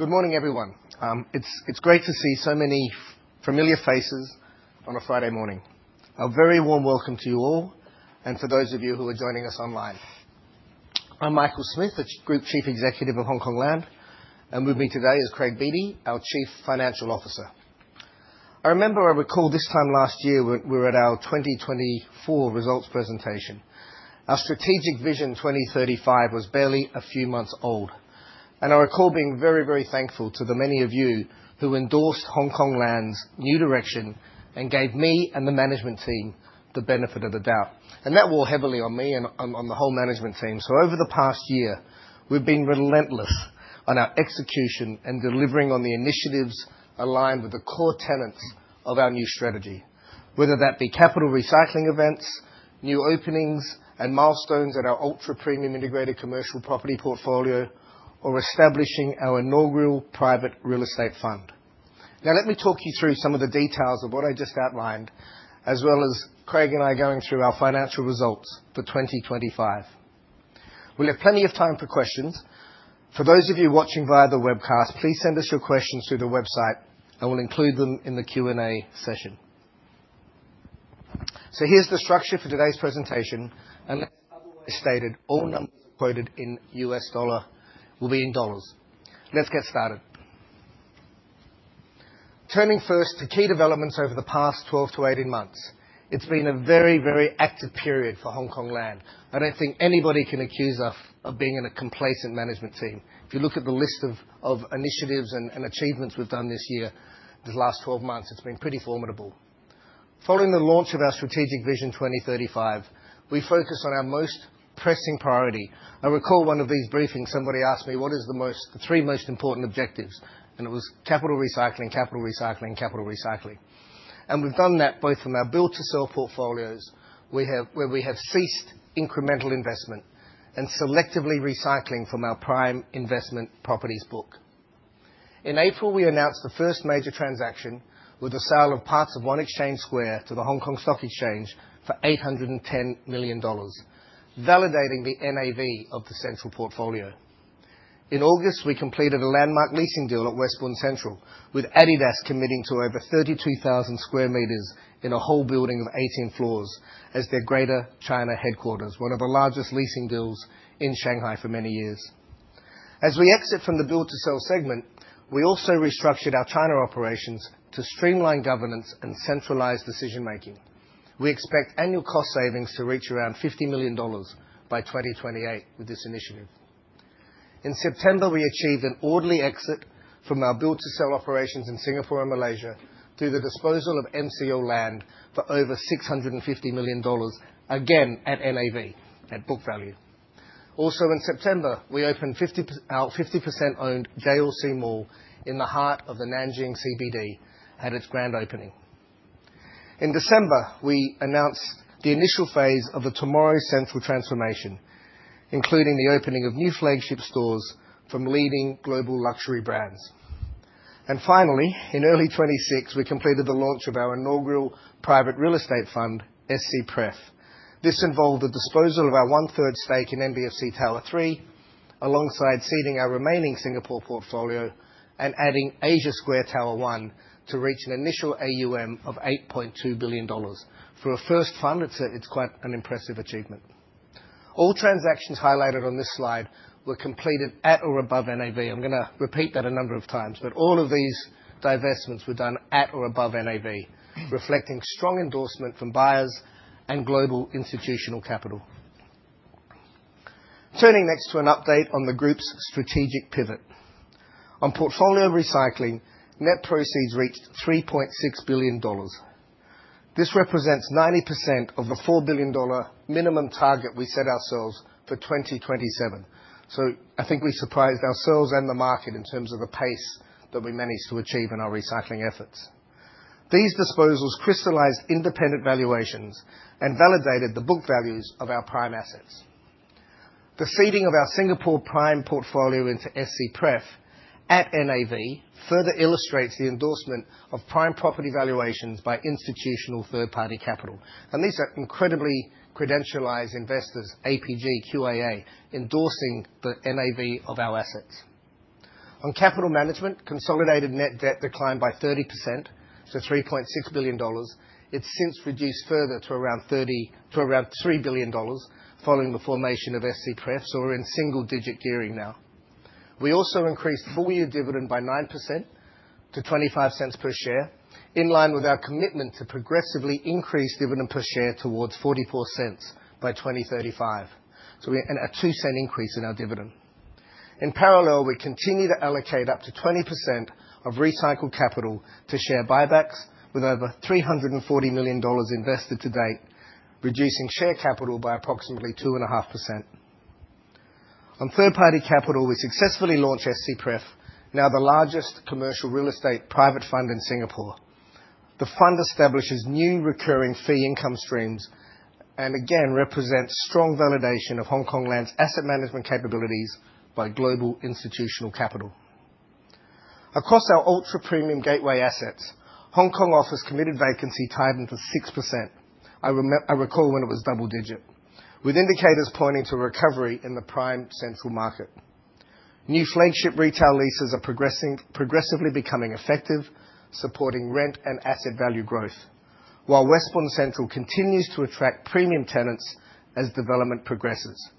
Good morning, everyone. It is great to see so many familiar faces on a Friday morning. A very warm welcome to you all and for those of you who are joining us online. I am Michael Smith, the Group Chief Executive of Hongkong Land, and with me today is Craig Beattie, our Chief Financial Officer. I remember, I recall this time last year we were at our 2024 results presentation. Our Strategic Vision 2035 was barely a few months old, and I recall being very, very thankful to the many of you who endorsed Hongkong Land's new direction and gave me and the management team the benefit of the doubt. That wore heavily on me and on the whole management team. Over the past year, we have been relentless on our execution and delivering on the initiatives aligned with the core tenets of our new strategy, whether that be capital recycling events, new openings, and milestones at our ultra-premium integrated commercial property portfolio or establishing our inaugural private real estate fund. Now, let me talk you through some of the details of what I just outlined, as well as Craig and I going through our financial results for 2025. We will have plenty of time for questions. For those of you watching via the webcast, please send us your questions through the website and we will include them in the Q&A session. Here is the structure for today's presentation. Unless otherwise stated, all numbers quoted in US dollar will be in dollars. Let us get started. Turning first to key developments over the past 12 to 18 months. It has been a very, very active period for Hongkong Land. I do not think anybody can accuse us of being in a complacent management team. If you look at the list of initiatives and achievements we have done this year, these last 12 months, it has been pretty formidable. Following the launch of our Strategic Vision 2035, we focused on our most pressing priority. I recall one of these briefings, somebody asked me, "What is the three most important objectives?" It was capital recycling, capital recycling, capital recycling. We have done that both from our build to sell portfolios, where we have ceased incremental investment and selectively recycling from our prime investment properties book. In April, we announced the first major transaction with the sale of parts of One Exchange Square to the Stock Exchange of Hong Kong for $810 million, validating the NAV of the Central portfolio. In August, we completed a landmark leasing deal at Westbund Central with adidas committing to over 32,000 sq m in a whole building of 18 floors as their Greater China headquarters, one of the largest leasing deals in Shanghai for many years. As we exit from the build to sell segment, we also restructured our China operations to streamline governance and centralize decision-making. We expect annual cost savings to reach around $50 million by 2028 with this initiative. In September, we achieved an orderly exit from our build to sell operations in Singapore and Malaysia through the disposal of MCL Land for over $650 million, again at NAV at book value. Also in September, we opened our 50% owned JLC Mall in the heart of the Nanjing CBD at its grand opening. In December, we announced the initial phase of the Tomorrow Central transformation, including the opening of new flagship stores from leading global luxury brands. Finally, in early 2026, we completed the launch of our inaugural private real estate fund, SCPREF. This involved the disposal of our one-third stake in MBFC Tower Three, alongside ceding our remaining Singapore portfolio and adding Asia Square Tower One to reach an initial AUM of $8.2 billion. For a first fund, it's quite an impressive achievement. All transactions highlighted on this slide were completed at or above NAV. I'm going to repeat that a number of times, but all of these divestments were done at or above NAV, reflecting strong endorsement from buyers and global institutional capital. On portfolio recycling, net proceeds reached $3.6 billion. This represents 90% of the $4 billion minimum target we set ourselves for 2027. I think we surprised ourselves and the market in terms of the pace that we managed to achieve in our recycling efforts. These disposals crystallized independent valuations and validated the book values of our prime assets. The ceding of our Singapore prime portfolio into SCPREF at NAV further illustrates the endorsement of prime property valuations by institutional third-party capital. These are incredibly credentialized investors, APG, QIA, endorsing the NAV of our assets. On capital management, consolidated net debt declined by 30% to $3.6 billion. It's since reduced further to around $3 billion following the formation of SCPREF, so we're in single-digit gearing now. We also increased full-year dividend by 9% to $0.25 per share, in line with our commitment to progressively increase dividend per share towards $0.44 by 2035. A $0.02 increase in our dividend. In parallel, we continue to allocate up to 20% of recycled capital to share buybacks with over $340 million invested to date, reducing share capital by approximately 2.5%. On third-party capital, we successfully launched SCPREF, now the largest commercial real estate private fund in Singapore. The fund establishes new recurring fee income streams, and again, represents strong validation of Hongkong Land's asset management capabilities by global institutional capital. Across our ultra-premium gateway assets, Hong Kong office committed vacancy tightened to 6%. I recall when it was double-digit, with indicators pointing to recovery in the prime central market. New flagship retail leases are progressively becoming effective, supporting rent and asset value growth. While Westbund Central continues to attract premium tenants as development progresses.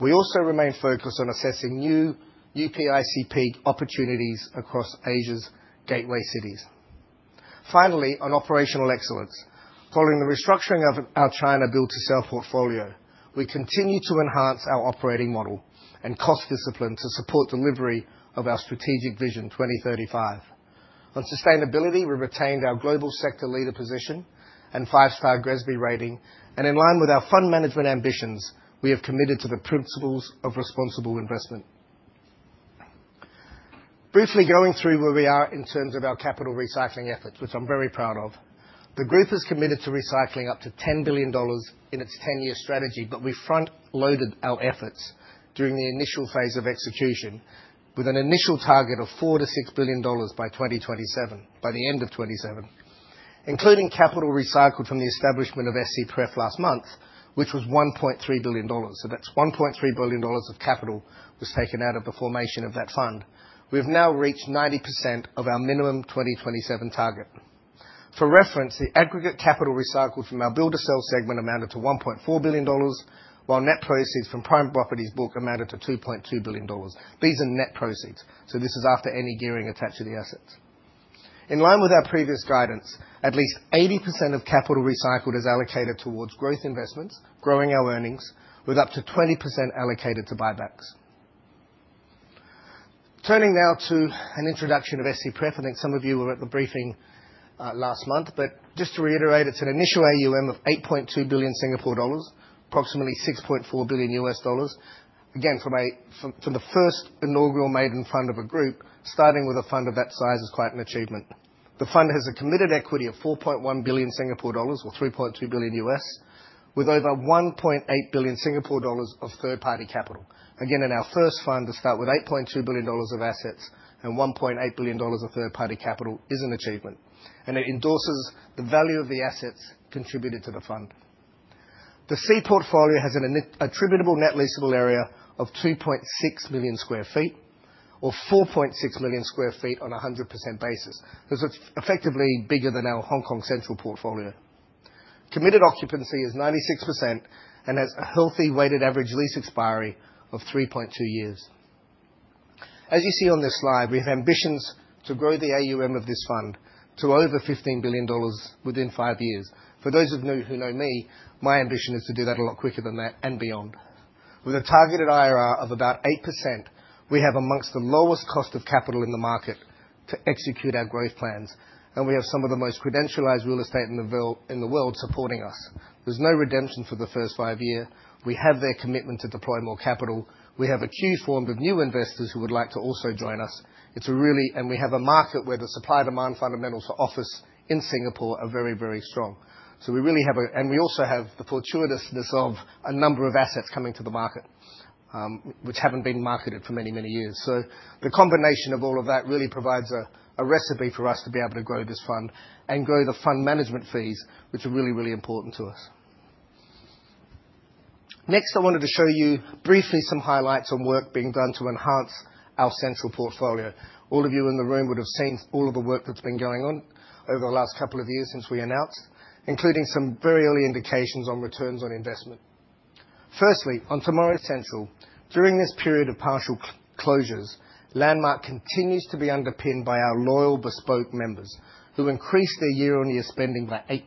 We also remain focused on assessing new UPICP opportunities across Asia's gateway cities. Finally, on operational excellence. Following the restructuring of our China build-to-sell portfolio, we continue to enhance our operating model and cost discipline to support delivery of our Strategic Vision 2035. On sustainability, we retained our global sector leader position and five-star GRESB rating, in line with our fund management ambitions, we have committed to the principles of responsible investment. Briefly going through where we are in terms of our capital recycling efforts, which I'm very proud of. The group has committed to recycling up to $10 billion in its 10-year strategy, but we front-loaded our efforts during the initial phase of execution with an initial target of $4 billion to $6 billion by 2027, by the end of 2027. Including capital recycled from the establishment of SCPREF last month, which was $1.3 billion. That's $1.3 billion of capital was taken out of the formation of that fund. We've now reached 90% of our minimum 2027 target. For reference, the aggregate capital recycled from our build-to-sell segment amounted to $1.4 billion, while net proceeds from prime properties book amounted to $2.2 billion. These are net proceeds, so this is after any gearing attached to the assets. In line with our previous guidance, at least 80% of capital recycled is allocated towards growth investments, growing our earnings, with up to 20% allocated to buybacks. Turning now to an introduction of SCPREF. I think some of you were at the briefing last month. Just to reiterate, it's an initial AUM of 8.2 billion Singapore dollars, approximately $6.4 billion. Again, from the first inaugural maiden fund of a group, starting with a fund of that size is quite an achievement. The fund has a committed equity of 4.1 billion Singapore dollars or $3.2 billion, with over 1.8 billion Singapore dollars of third-party capital. Again, in our first fund to start with 8.2 billion dollars of assets and 1.8 billion dollars of third-party capital is an achievement, and it endorses the value of the assets contributed to the fund. The C portfolio has an attributable net leasable area of 2.6 million sq ft or 4.6 million sq ft on 100% basis. It effectively bigger than our Hong Kong Central portfolio. Committed occupancy is 96% and has a healthy weighted average lease expiry of 3.2 years. As you see on this slide, we have ambitions to grow the AUM of this fund to over 15 billion dollars within five years. For those of you who know me, my ambition is to do that a lot quicker than that and beyond. With a targeted IRR of about 8%, we have amongst the lowest cost of capital in the market to execute our growth plans, and we have some of the most credentialized real estate in the world supporting us. There's no redemption for the first five year. We have their commitment to deploy more capital. We have a queue formed of new investors who would like to also join us. We have a market where the supply-demand fundamentals for office in Singapore are very, very strong. We also have the fortuitousness of a number of assets coming to the market, which haven't been marketed for many, many years. The combination of all of that really provides a recipe for us to be able to grow this fund and grow the fund management fees, which are really, really important to us. Next, I wanted to show you briefly some highlights on work being done to enhance our Central portfolio. All of you in the room would have seen all of the work that's been going on over the last couple of years since we announced, including some very early indications on returns on investment. Firstly, on Tomorrow Central. During this period of partial closures, Landmark continues to be underpinned by our loyal BESPOKE members, who increased their year-on-year spending by 8%.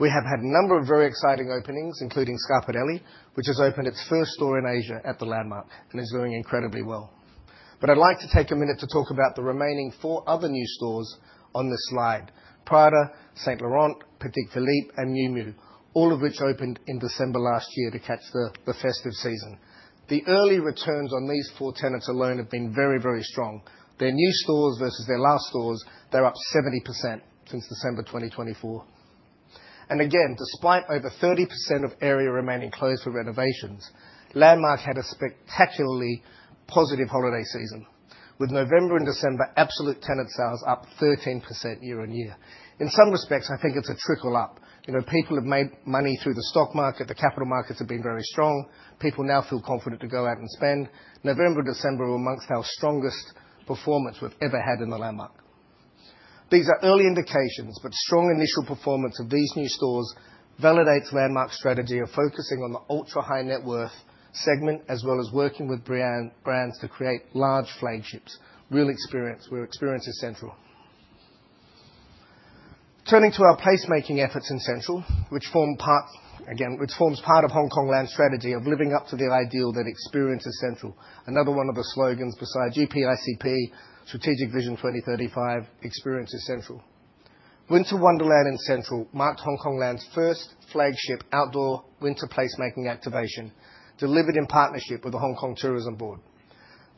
We have had a number of very exciting openings, including Scarpa Delie, which has opened its first store in Asia at the Landmark and is doing incredibly well. I'd like to take a minute to talk about the remaining four other new stores on this slide, Prada, Saint Laurent, Patek Philippe, and Miu Miu, all of which opened in December last year to catch the festive season. The early returns on these four tenants alone have been very, very strong. Their new stores versus their last stores, they're up 70% since December 2024. Despite over 30% of area remaining closed for renovations, Landmark had a spectacularly positive holiday season, with November and December absolute tenant sales up 13% year-on-year. In some respects, I think it's a trickle up. People have made money through the stock market. The capital markets have been very strong. People now feel confident to go out and spend. November, December were amongst our strongest performance we've ever had in the Landmark. These are early indications, but strong initial performance of these new stores validates Landmark's strategy of focusing on the ultra-high net worth segment, as well as working with brands to create large flagships. Real experience, where experience is central. Turning to our placemaking efforts in Central, again, which forms part of Hongkong Land's strategy of living up to the ideal that experience is central. Another one of the slogans besides UPICP Strategic Vision 2035, experience is central. Winter Wonderland in Central marked Hongkong Land's first flagship outdoor winter placemaking activation, delivered in partnership with the Hong Kong Tourism Board.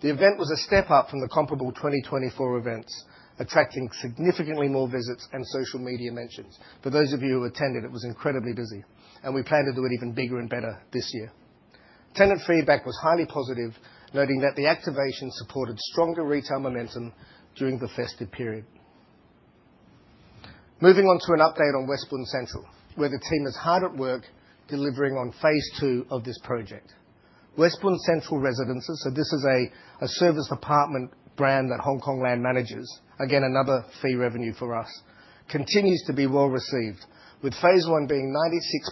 The event was a step up from the comparable 2024 events, attracting significantly more visits and social media mentions. For those of you who attended, it was incredibly busy. We plan to do it even bigger and better this year. Tenant feedback was highly positive, noting that the activation supported stronger retail momentum during the festive period. Moving on to an update on West Bund Central, where the team is hard at work delivering on phase 2 of this project. West Bund Central Residences, so this is a service apartment brand that Hongkong Land manages, again, another fee revenue for us, continues to be well-received, with phase 1 being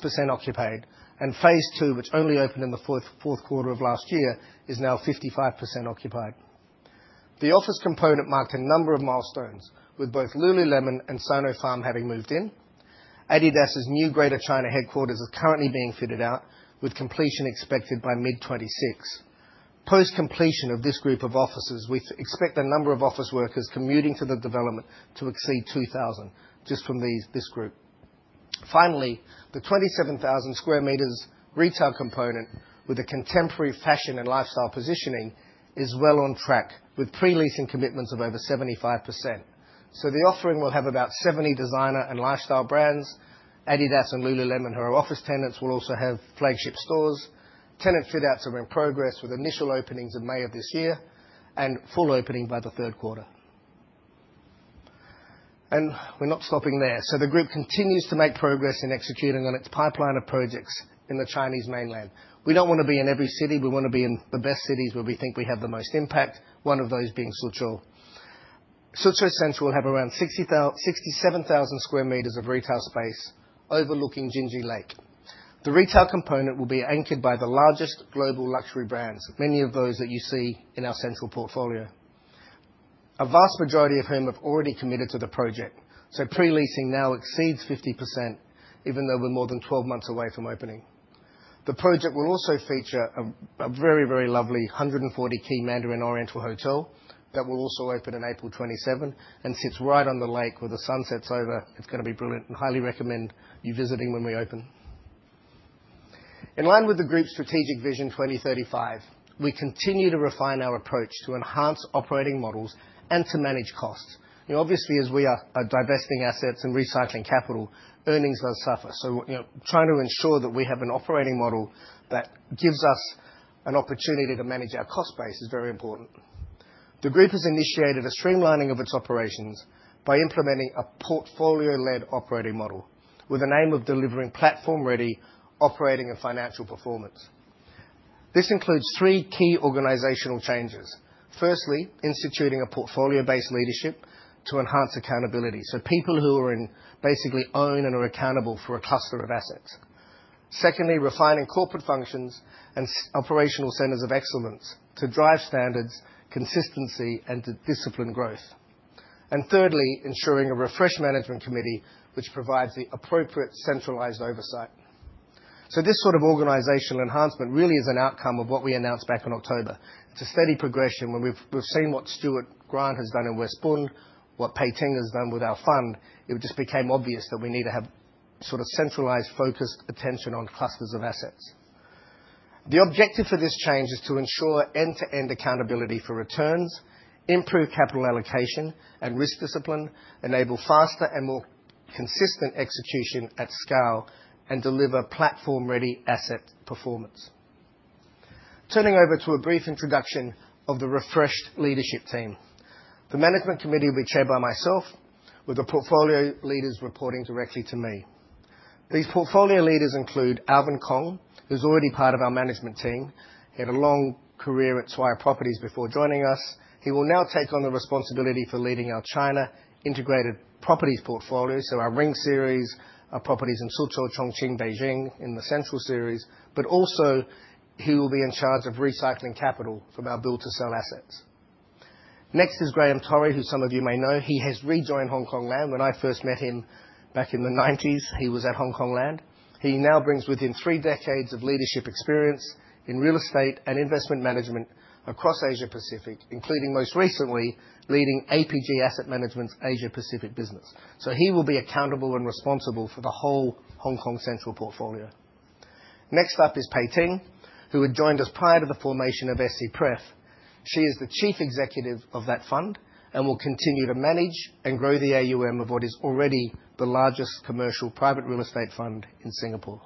96% occupied, and phase 2, which only opened in the fourth quarter of last year, is now 55% occupied. The office component marked a number of milestones, with both Lululemon and Sinopharm having moved in. Adidas' new Greater China headquarters is currently being fitted out, with completion expected by mid 2026. Post-completion of this group of offices, we expect the number of office workers commuting to the development to exceed 2,000, just from this group. Finally, the 27,000 sq m retail component with a contemporary fashion and lifestyle positioning is well on track, with pre-leasing commitments of over 75%. The offering will have about 70 designer and lifestyle brands. Adidas and Lululemon, who are office tenants, will also have flagship stores. Tenant fit outs are in progress, with initial openings in May of this year, and full opening by the third quarter. We're not stopping there. The group continues to make progress in executing on its pipeline of projects in the Chinese mainland. We don't want to be in every city. We want to be in the best cities where we think we have the most impact, one of those being Suzhou. Suzhou Central will have around 67,000 sq m of retail space overlooking Jinji Lake. The retail component will be anchored by the largest global luxury brands, many of those that you see in our Central portfolio. A vast majority of whom have already committed to the project, pre-leasing now exceeds 50%, even though we're more than 12 months away from opening. The project will also feature a very, very lovely 140-key Mandarin Oriental hotel that will also open in April 27 and sits right on the lake where the sun sets over. It's going to be brilliant and highly recommend you visiting when we open. In line with the group's Strategic Vision 2035, we continue to refine our approach to enhance operating models and to manage costs. As we are divesting assets and recycling capital, earnings will suffer. Trying to ensure that we have an operating model that gives us an opportunity to manage our cost base is very important. The group has initiated a streamlining of its operations by implementing a portfolio-led operating model with an aim of delivering platform-ready operating and financial performance. This includes three key organizational changes. Firstly, instituting a portfolio-based leadership to enhance accountability. People who basically own and are accountable for a cluster of assets. Secondly, refining corporate functions and operational centers of excellence to drive standards, consistency, and to discipline growth. Thirdly, ensuring a refreshed management committee, which provides the appropriate centralized oversight. This sort of organizational enhancement really is an outcome of what we announced back in October. It's a steady progression when we've seen what Stuart Grant has done in West Bund, what Pei Ting has done with our fund. It just became obvious that we need to have sort of centralized, focused attention on clusters of assets. The objective for this change is to ensure end-to-end accountability for returns, improve capital allocation and risk discipline, enable faster and more consistent execution at scale, and deliver platform-ready asset performance. Turning over to a brief introduction of the refreshed leadership team. The management committee will be chaired by myself with the portfolio leaders reporting directly to me. These portfolio leaders include Alvin Kong, who's already part of our management team. He had a long career at Swire Properties before joining us. He will now take on the responsibility for leading our China Integrated Properties portfolio. Our Ring series, our properties in Suzhou, Chongqing, Beijing in the Central series, but also he will be in charge of recycling capital from our build to sell assets. Next is Graeme Torre, who some of you may know. He has rejoined Hongkong Land. When I first met him back in the 90s, he was at Hongkong Land. He now brings with him three decades of leadership experience in real estate and investment management across Asia Pacific, including most recently leading APG Asset Management's Asia Pacific business. He will be accountable and responsible for the whole Hong Kong Central portfolio. Next up is Pei Ting, who had joined us prior to the formation of SCPREF. She is the chief executive of that fund and will continue to manage and grow the AUM of what is already the largest commercial private real estate fund in Singapore.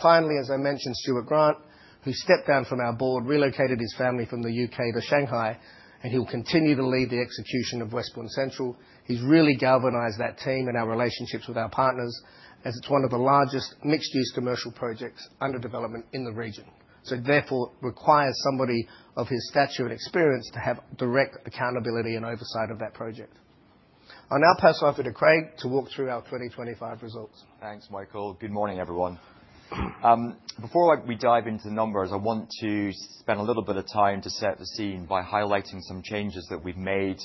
Finally, as I mentioned, Stuart Grant, who stepped down from our board, relocated his family from the U.K. to Shanghai, and he will continue to lead the execution of West Bund Central. He's really galvanized that team and our relationships with our partners as it's one of the largest mixed-use commercial projects under development in the region. It therefore requires somebody of his stature and experience to have direct accountability and oversight of that project. I'll now pass over to Craig to walk through our 2025 results. Thanks, Michael. Good morning, everyone. Before we dive into the numbers, I want to spend a little bit of time to set the scene by highlighting some changes that we've made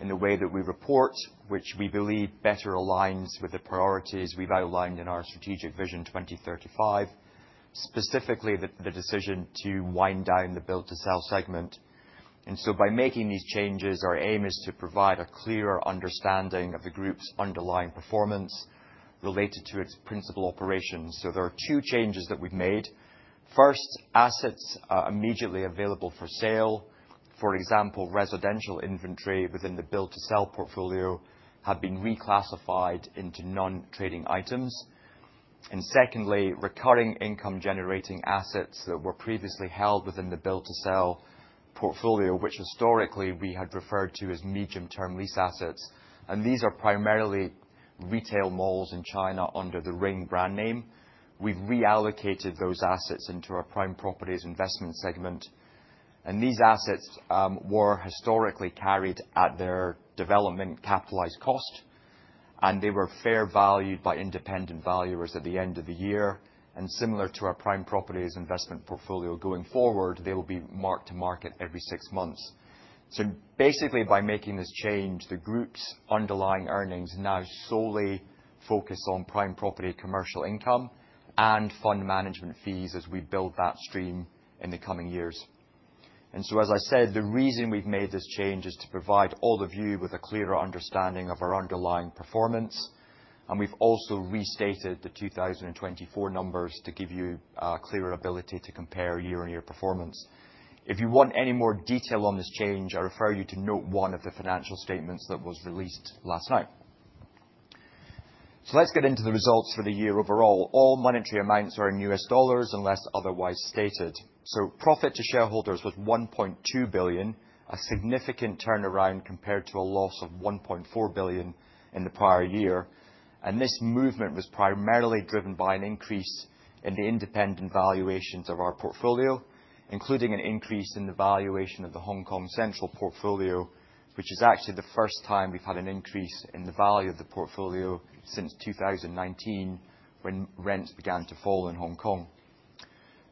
in the way that we report, which we believe better aligns with the priorities we've outlined in our Strategic Vision 2035, specifically the decision to wind down the build to sell segment. By making these changes, our aim is to provide a clearer understanding of the group's underlying performance related to its principal operations. There are two changes that we've made. First, assets are immediately available for sale. For example, residential inventory within the build to sell portfolio had been reclassified into non-trading items. Secondly, recurring income generating assets that were previously held within the build to sell portfolio, which historically we had referred to as medium-term lease assets. These are primarily retail malls in China under The Ring brand name. We've reallocated those assets into our Prime Properties Investment segment. These assets were historically carried at their development capitalized cost, and they were fair valued by independent valuers at the end of the year. Similar to our Prime Properties Investment portfolio, going forward, they will be marked to market every six months. Basically, by making this change, the group's underlying earnings now solely focus on prime property, commercial income, and fund management fees as we build that stream in the coming years. As I said, the reason we've made this change is to provide all of you with a clearer understanding of our underlying performance, and we've also restated the 2024 numbers to give you a clearer ability to compare year-on-year performance. If you want any more detail on this change, I refer you to note one of the financial statements that was released last night. Let's get into the results for the year overall. All monetary amounts are in USD unless otherwise stated. Profit to shareholders was $1.2 billion, a significant turnaround compared to a loss of $1.4 billion in the prior year. This movement was primarily driven by an increase in the independent valuations of our portfolio, including an increase in the valuation of the Hong Kong Central portfolio, which is actually the first time we've had an increase in the value of the portfolio since 2019, when rents began to fall in Hong Kong.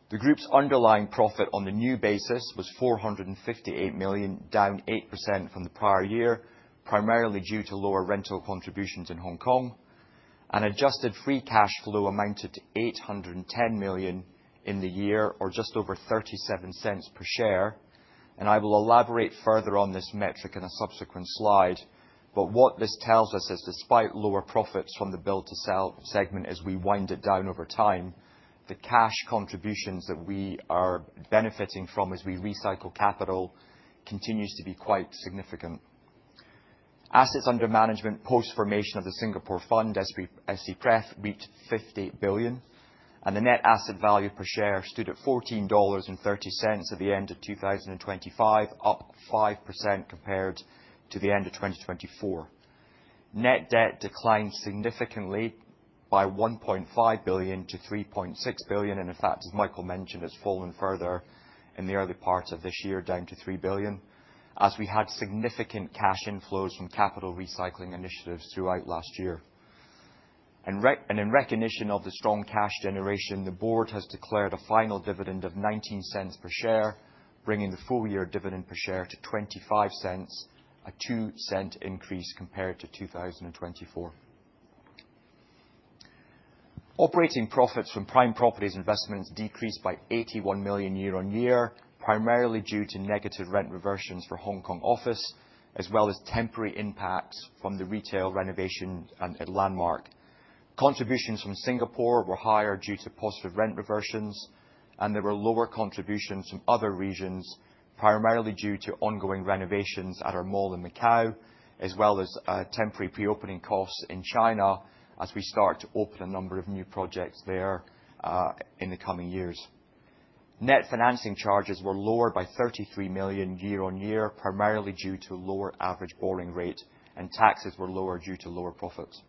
The group's underlying profit on the new basis was $458 million, down 8% from the prior year, primarily due to lower rental contributions in Hong Kong. Adjusted free cash flow amounted to $810 million in the year or just over $0.37 per share. I will elaborate further on this metric in a subsequent slide. What this tells us is, despite lower profits from the build to sell segment as we wind it down over time, the cash contributions that we are benefiting from as we recycle capital continues to be quite significant. Assets under management post-formation of the Singapore Fund, as we SCPREF reached $50 billion, and the net asset value per share stood at $14.30 at the end of 2025, up 5% compared to the end of 2024. Net debt declined significantly by $1.5 billion to $3.6 billion. In fact, as Michael mentioned, it's fallen further in the early parts of this year, down to $3 billion, as we had significant cash inflows from capital recycling initiatives throughout last year. In recognition of the strong cash generation, the board has declared a final dividend of $0.19 per share, bringing the full-year dividend per share to $0.25, a $0.02 increase compared to 2024. Operating profits from Prime Properties Investments decreased by $81 million year-on-year, primarily due to negative rent reversions for Hong Kong office, as well as temporary impacts from the retail renovation at Landmark. Contributions from Singapore were higher due to positive rent reversions, there were lower contributions from other regions, primarily due to ongoing renovations at our mall in Macau, as well as temporary pre-opening costs in China, as we start to open a number of new projects there in the coming years. Net financing charges were lower by $33 million year-on-year, primarily due to lower average borrowing rate, taxes were lower due to lower profits.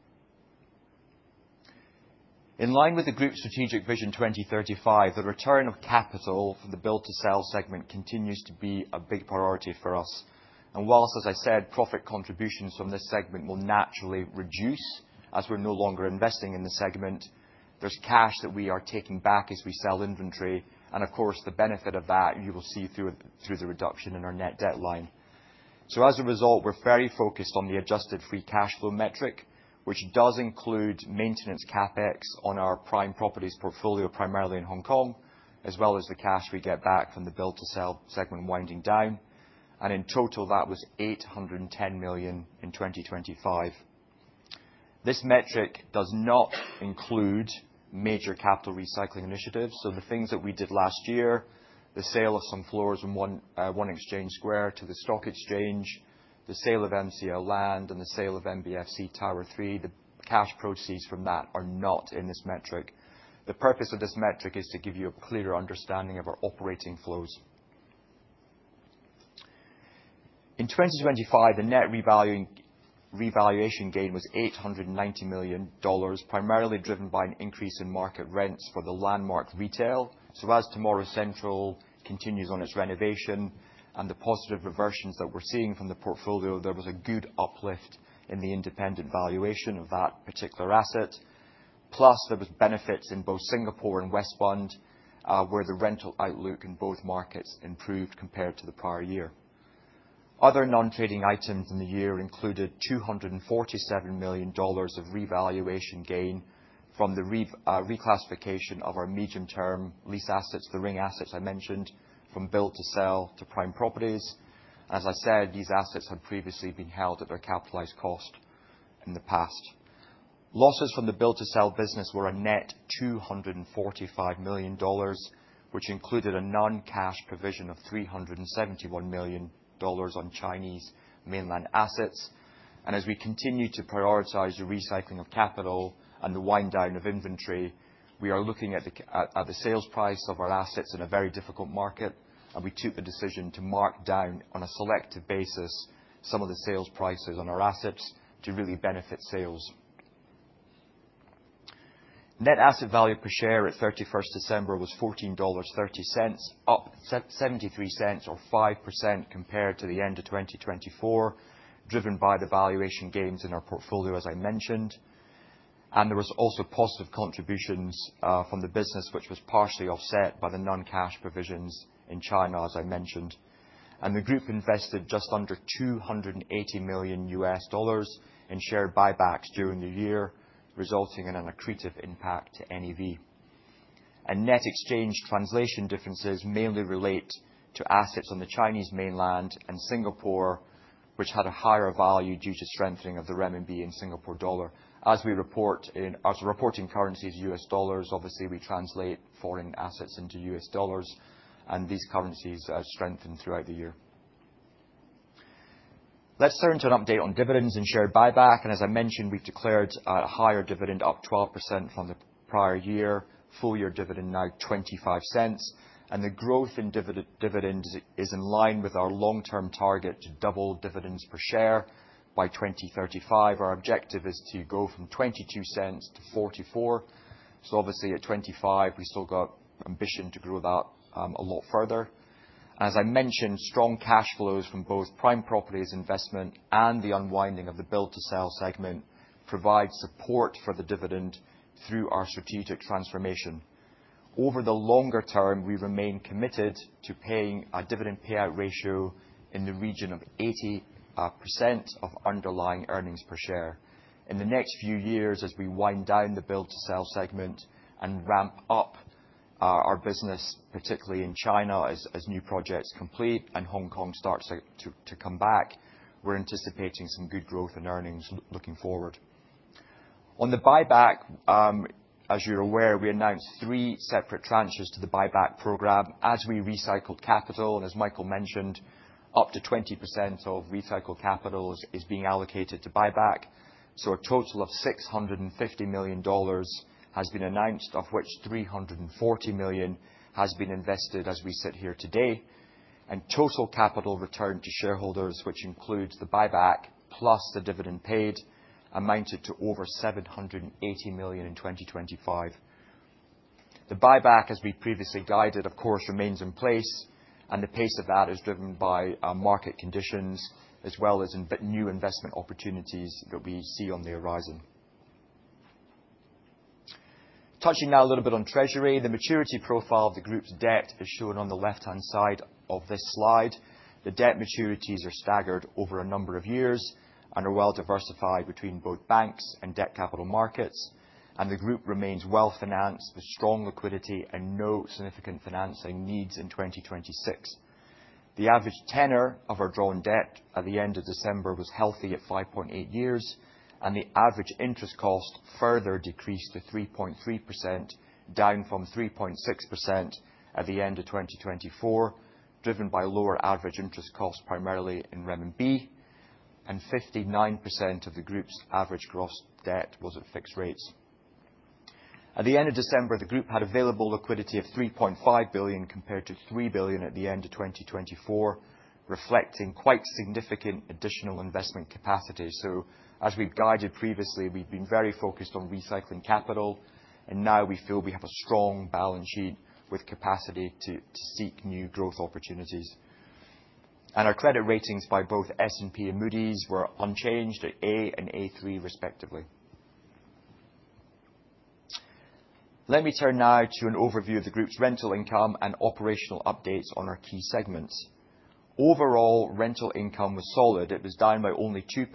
In line with the group Strategic Vision 2035, the return of capital from the build to sell segment continues to be a big priority for us. Whilst, as I said, profit contributions from this segment will naturally reduce as we're no longer investing in the segment, there's cash that we are taking back as we sell inventory, the benefit of that you will see through the reduction in our net debt line. As a result, we're very focused on the adjusted free cash flow metric, which does include maintenance CapEx on our Prime Properties portfolio, primarily in Hong Kong, as well as the cash we get back from the build to sell segment winding down. In total, that was $810 million in 2025. This metric does not include major capital recycling initiatives. The things that we did last year, the sale of some floors in One Exchange Square to the Stock Exchange, the sale of MCL Land, and the sale of MBFC Tower Three, the cash proceeds from that are not in this metric. The purpose of this metric is to give you a clearer understanding of our operating flows. In 2025, the net revaluation gain was $890 million, primarily driven by an increase in market rents for the Landmark retail. As Tomorrow Central continues on its renovation and the positive reversions that we're seeing from the portfolio, there was a good uplift in the independent valuation of that particular asset. Plus, there was benefits in both Singapore and West Bund, where the rental outlook in both markets improved compared to the prior year. Other non-trading items in the year included $247 million of revaluation gain from the reclassification of our medium-term lease assets, The Ring assets I mentioned, from build to sell to Prime Properties. As I said, these assets had previously been held at their capitalized cost in the past. Losses from the build-to-sell business were a net $245 million, which included a non-cash provision of $371 million on Chinese mainland assets. As we continue to prioritize the recycling of capital and the wind down of inventory, we are looking at the sales price of our assets in a very difficult market, and we took the decision to mark down, on a selective basis, some of the sales prices on our assets to really benefit sales. Net asset value per share at December 31st was $14.30, up $0.73 or 5% compared to the end of 2024, driven by the valuation gains in our portfolio, as I mentioned. There was also positive contributions from the business, which was partially offset by the non-cash provisions in China, as I mentioned. The group invested just under $280 million in share buybacks during the year, resulting in an accretive impact to NAV. Net exchange translation differences mainly relate to assets on the Chinese mainland and Singapore, which had a higher value due to strengthening of the CNY in SGD. As a reporting currency is US dollars, obviously we translate foreign assets into US dollars, and these currencies have strengthened throughout the year. Let's turn to an update on dividends and share buyback. As I mentioned, we've declared a higher dividend up 12% from the prior year. Full year dividend now $0.25. The growth in dividend is in line with our long-term target to double dividends per share by 2035. Our objective is to go from $0.22 to $0.44. Obviously at $0.25, we've still got ambition to grow that a lot further. As I mentioned, strong cash flows from both prime properties investment and the unwinding of the build-to-sell segment provide support for the dividend through our strategic transformation. Over the longer term, we remain committed to paying a dividend payout ratio in the region of 80% of underlying earnings per share. In the next few years, as we wind down the build-to-sell segment and ramp up our business, particularly in China, as new projects complete and Hong Kong starts to come back, we're anticipating some good growth in earnings looking forward. On the buyback, as you're aware, we announced three separate tranches to the buyback program as we recycled capital, and as Michael mentioned, up to 20% of recycled capital is being allocated to buyback. A total of $650 million has been announced, of which $340 million has been invested as we sit here today. Total capital returned to shareholders, which includes the buyback plus the dividend paid, amounted to over $780 million in 2025. The buyback, as we previously guided, of course, remains in place, and the pace of that is driven by our market conditions as well as new investment opportunities that we see on the horizon. Touching now a little bit on treasury. The maturity profile of the group's debt is shown on the left-hand side of this slide. The debt maturities are staggered over a number of years and are well diversified between both banks and debt capital markets. The group remains well-financed with strong liquidity and no significant financing needs in 2026. The average tenor of our drawn debt at the end of December was healthy at 5.8 years, and the average interest cost further decreased to 3.3%, down from 3.6% at the end of 2024, driven by lower average interest costs primarily in renminbi, and 59% of the group's average gross debt was at fixed rates. At the end of December, the group had available liquidity of $3.5 billion compared to $3 billion at the end of 2024, reflecting quite significant additional investment capacity. As we've guided previously, we've been very focused on recycling capital, and now we feel we have a strong balance sheet with capacity to seek new growth opportunities. Our credit ratings by both S&P and Moody's were unchanged at A and A3 respectively. Let me turn now to an overview of the group's rental income and operational updates on our key segments. Overall, rental income was solid. It was down by only 2%,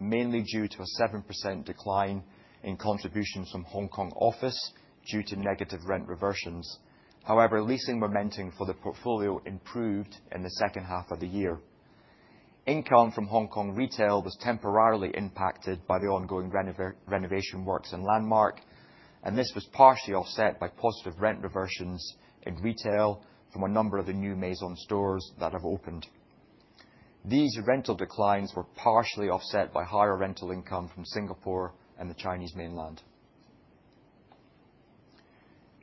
mainly due to a 7% decline in contributions from Hong Kong office due to negative rent reversions. However, leasing momentum for the portfolio improved in the second half of the year. Income from Hong Kong retail was temporarily impacted by the ongoing renovation works in Landmark, and this was partially offset by positive rent reversions in retail from a number of the new Maison stores that have opened. These rental declines were partially offset by higher rental income from Singapore and the Chinese mainland.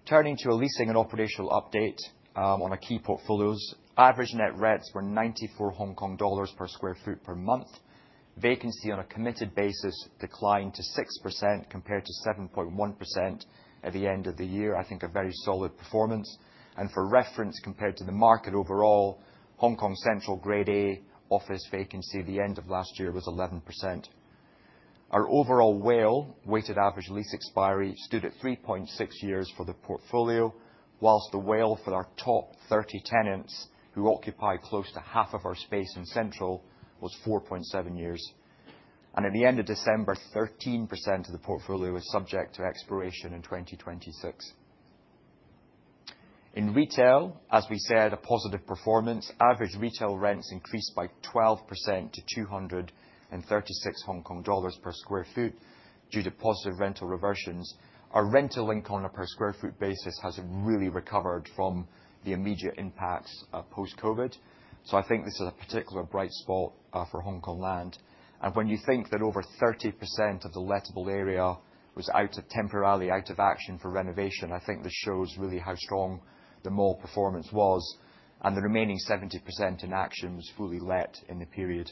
Turning to a leasing and operational update on our key portfolios. Average net rents were HK$94 per square foot per month. Vacancy on a committed basis declined to 6% compared to 7.1% at the end of the year. I think a very solid performance. For reference, compared to the market overall, Hong Kong Central Grade A office vacancy at the end of last year was 11%. Our overall WALE, weighted average lease expiry, stood at 3.6 years for the portfolio, whilst the WALE for our top 30 tenants who occupy close to half of our space in Central was 4.7 years. At the end of December, 13% of the portfolio is subject to expiration in 2026. In retail, as we said, a positive performance. Average retail rents increased by 12% to HK$236 per square foot due to positive rental reversions. Our rental income on a per square foot basis has really recovered from the immediate impacts of post-COVID. I think this is a particular bright spot for Hongkong Land. When you think that over 30% of the lettable area was temporarily out of action for renovation, I think this shows really how strong the mall performance was, and the remaining 70% in action was fully let in the period.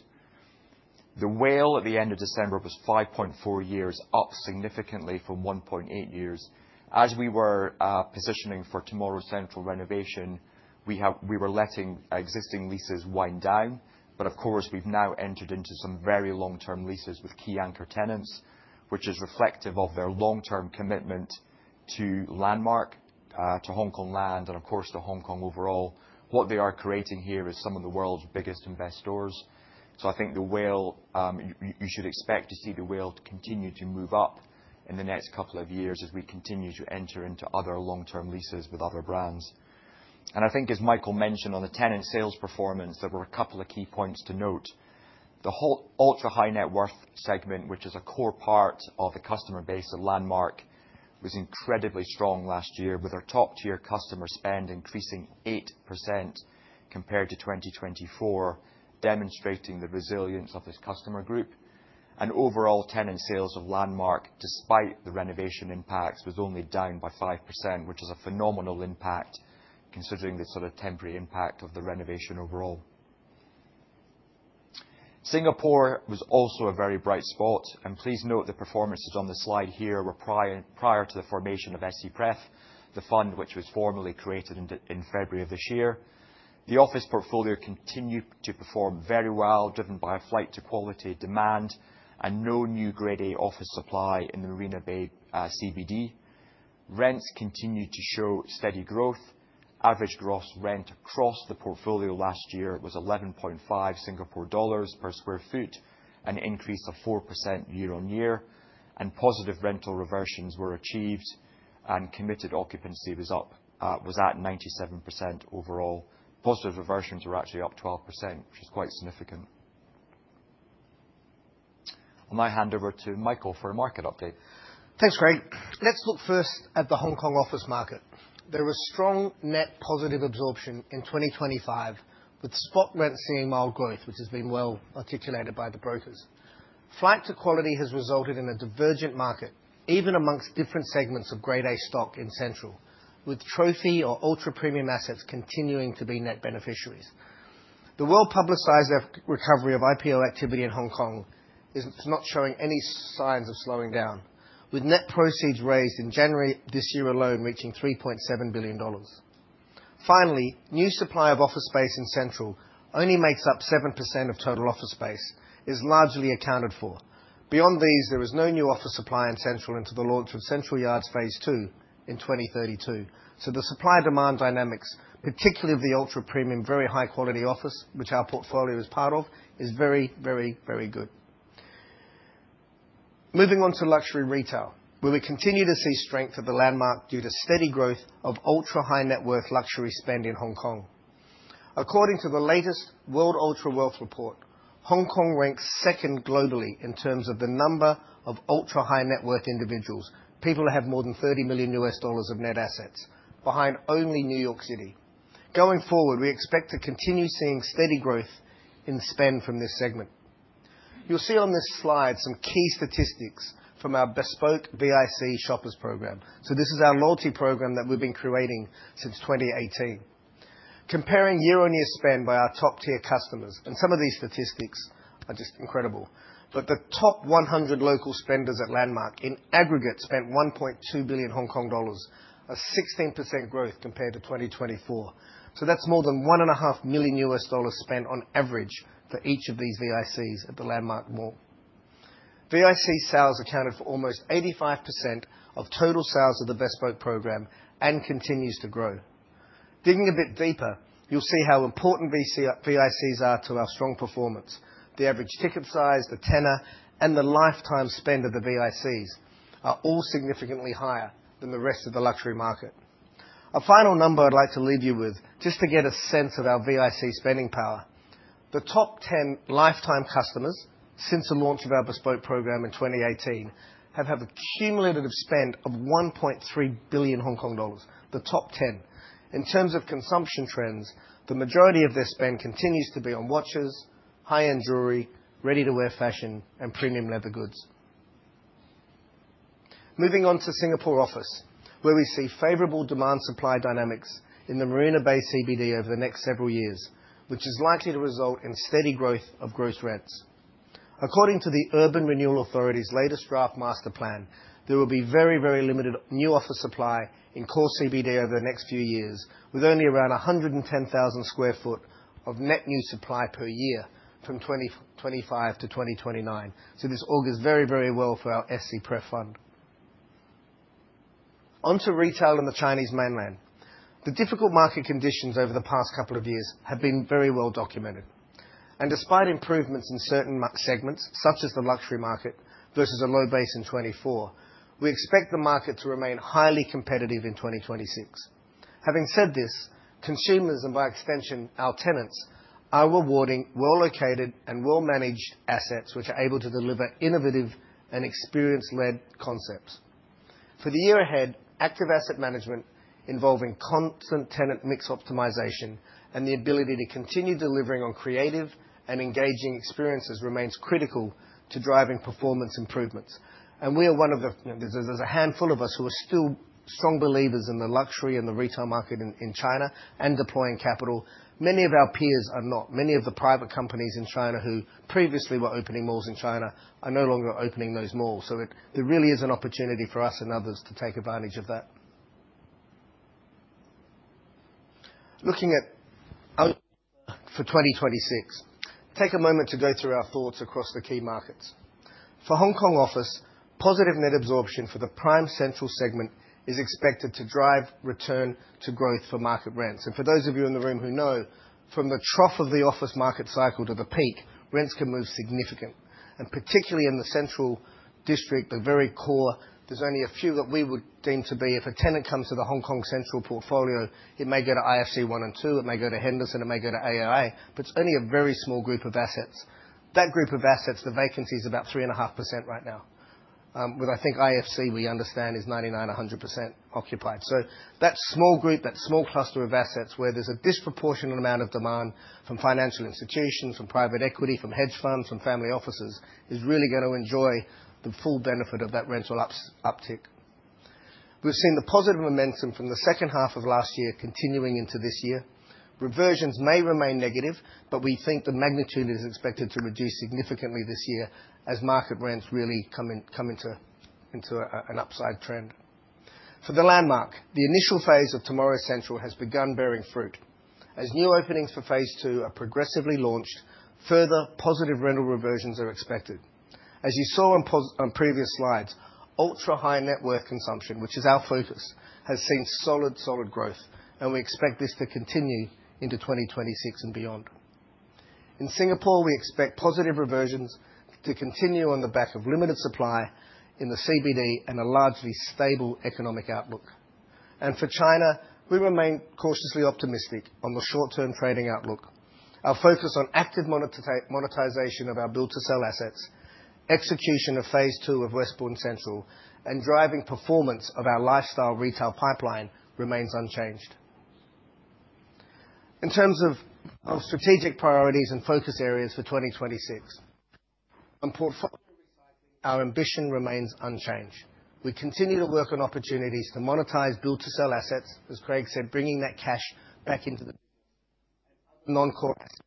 The WALE at the end of December was 5.4 years, up significantly from 1.8 years. As we were positioning for tomorrow's Central renovation, we were letting existing leases wind down. We've now entered into some very long-term leases with key anchor tenants, which is reflective of their long-term commitment to Landmark, to Hongkong Land, and of course to Hong Kong overall. What they are creating here is some of the world's biggest and best stores. I think you should expect to see the WALE to continue to move up in the next couple of years as we continue to enter into other long-term leases with other brands. I think as Michael mentioned on the tenant sales performance, there were a couple of key points to note. The ultra-high net worth segment, which is a core part of the customer base of Landmark, was incredibly strong last year, with our top-tier customer spend increasing 8% compared to 2024, demonstrating the resilience of this customer group. Overall tenant sales of Landmark, despite the renovation impacts, was only down by 5%, which is a phenomenal impact considering the sort of temporary impact of the renovation overall. Singapore was also a very bright spot, and please note the performances on the slide here were prior to the formation of SCPREF, the fund which was formally created in February of this year. The office portfolio continued to perform very well, driven by a flight to quality demand and no new grade A office supply in the Marina Bay CBD. Rents continued to show steady growth. Average gross rent across the portfolio last year was 11.5 Singapore dollars per sq ft, an increase of 4% year-over-year, and positive rental reversions were achieved and committed occupancy was at 97% overall. Positive reversions were actually up 12%, which is quite significant. I'll now hand over to Michael for a market update. Thanks, Craig. Let's look first at the Hong Kong office market. There was strong net positive absorption in 2025, with spot rents seeing mild growth, which has been well articulated by the brokers. Flight to quality has resulted in a divergent market, even amongst different segments of grade A stock in Central, with trophy or ultra-premium assets continuing to be net beneficiaries. The well-publicized recovery of IPO activity in Hong Kong is not showing any signs of slowing down, with net proceeds raised in January this year alone reaching $3.7 billion. Finally, new supply of office space in Central only makes up 7% of total office space is largely accounted for. Beyond these, there is no new office supply in Central until the launch of Central Yards phase 2 in 2032. The supply-demand dynamics, particularly of the ultra-premium, very high-quality office, which our portfolio is part of, is very good. Moving on to luxury retail, where we continue to see strength of the Landmark due to steady growth of ultra-high net worth luxury spend in Hong Kong. According to the latest World Ultra Wealth Report, Hong Kong ranks second globally in terms of the number of ultra-high net worth individuals, people who have more than $30 million of net assets, behind only New York City. Going forward, we expect to continue seeing steady growth in spend from this segment. You'll see on this slide some key statistics from our BESPOKE VIC Shoppers program. This is our loyalty program that we've been creating since 2018. Comparing year-on-year spend by our top-tier customers, and some of these statistics are just incredible. The top 100 local spenders at Landmark in aggregate spent 1.2 billion Hong Kong dollars, a 16% growth compared to 2024. That's more than $1.5 million spent on average for each of these VICs at the Landmark mall. VIC sales accounted for almost 85% of total sales of the BESPOKE program and continues to grow. Digging a bit deeper, you'll see how important VICs are to our strong performance. The average ticket size, the tenor, and the lifetime spend of the VICs are all significantly higher than the rest of the luxury market. A final number I'd like to leave you with, just to get a sense of our VIC spending power. The top 10 lifetime customers since the launch of our BESPOKE program in 2018 have had a cumulative spend of 1.3 billion Hong Kong dollars, the top 10. In terms of consumption trends, the majority of their spend continues to be on watches, high-end jewelry, ready-to-wear fashion, and premium leather goods. Moving on to Singapore office, where we see favorable demand supply dynamics in the Marina Bay CBD over the next several years, which is likely to result in steady growth of gross rents. According to the Urban Renewal Authority's latest draft master plan, there will be very limited new office supply in core CBD over the next few years, with only around 110,000 sq ft of net new supply per year from 2025 to 2029. This augurs very well for our SCPREF fund. On to retail in the Chinese mainland. The difficult market conditions over the past couple of years have been very well documented. Despite improvements in certain segments, such as the luxury market versus a low base in 2024, we expect the market to remain highly competitive in 2026. Having said this, consumers, and by extension, our tenants, are rewarding well-located and well-managed assets which are able to deliver innovative and experience-led concepts. For the year ahead, active asset management involving constant tenant mix optimization and the ability to continue delivering on creative and engaging experiences remains critical to driving performance improvements. There's a handful of us who are still strong believers in the luxury and the retail market in China and deploying capital. Many of our peers are not. Many of the private companies in China who previously were opening malls in China are no longer opening those malls. It really is an opportunity for us and others to take advantage of that. Looking at for 2026, take a moment to go through our thoughts across the key markets. For Hong Kong office, positive net absorption for the prime Central segment is expected to drive return to growth for market rents. For those of you in the room who know, from the trough of the office market cycle to the peak, rents can move significant. Particularly in the Central district, the very core, there's only a few that we would deem to be, if a tenant comes to the Hong Kong Central portfolio, it may go to IFC 1 and 2, it may go to Henderson, it may go to AIA, but it's only a very small group of assets. That group of assets, the vacancy is about 3.5% right now. With, I think IFC, we understand, is 99%-100% occupied. That small group, that small cluster of assets where there's a disproportionate amount of demand from financial institutions, from private equity, from hedge funds, from family offices, is really going to enjoy the full benefit of that rental uptick. We've seen the positive momentum from the second half of last year continuing into this year. Reversions may remain negative, but we think the magnitude is expected to reduce significantly this year as market rents really come into an upside trend. For the Landmark, the initial phase of Tomorrow Central has begun bearing fruit. As new openings for phase 2 are progressively launched, further positive rental reversions are expected. As you saw on previous slides, ultra-high-net-worth consumption, which is our focus, has seen solid growth, and we expect this to continue into 2026 and beyond. In Singapore, we expect positive reversions to continue on the back of limited supply in the CBD and a largely stable economic outlook. For China, we remain cautiously optimistic on the short-term trading outlook. Our focus on active monetization of our build to sell assets, execution of phase 2 of Westbund Central, and driving performance of our lifestyle retail pipeline remains unchanged. In terms of our strategic priorities and focus areas for 2026. On portfolio recycling, our ambition remains unchanged. We continue to work on opportunities to monetize build to sell assets, as Craig said, bringing that cash back into the non-core assets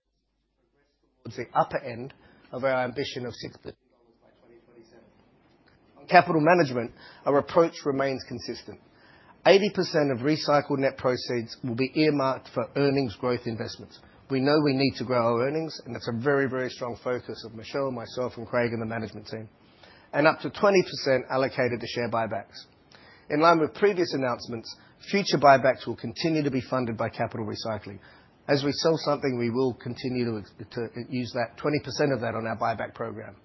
towards the upper end of our ambition of $6 billion by 2027. On capital management, our approach remains consistent. 80% of recycled net proceeds will be earmarked for earnings growth investments. We know we need to grow our earnings, and that's a very strong focus of Michelle and myself and Craig and the management team. Up to 20% allocated to share buybacks. In line with previous announcements, future buybacks will continue to be funded by capital recycling. As we sell something, we will continue to use 20% of that on our buyback program.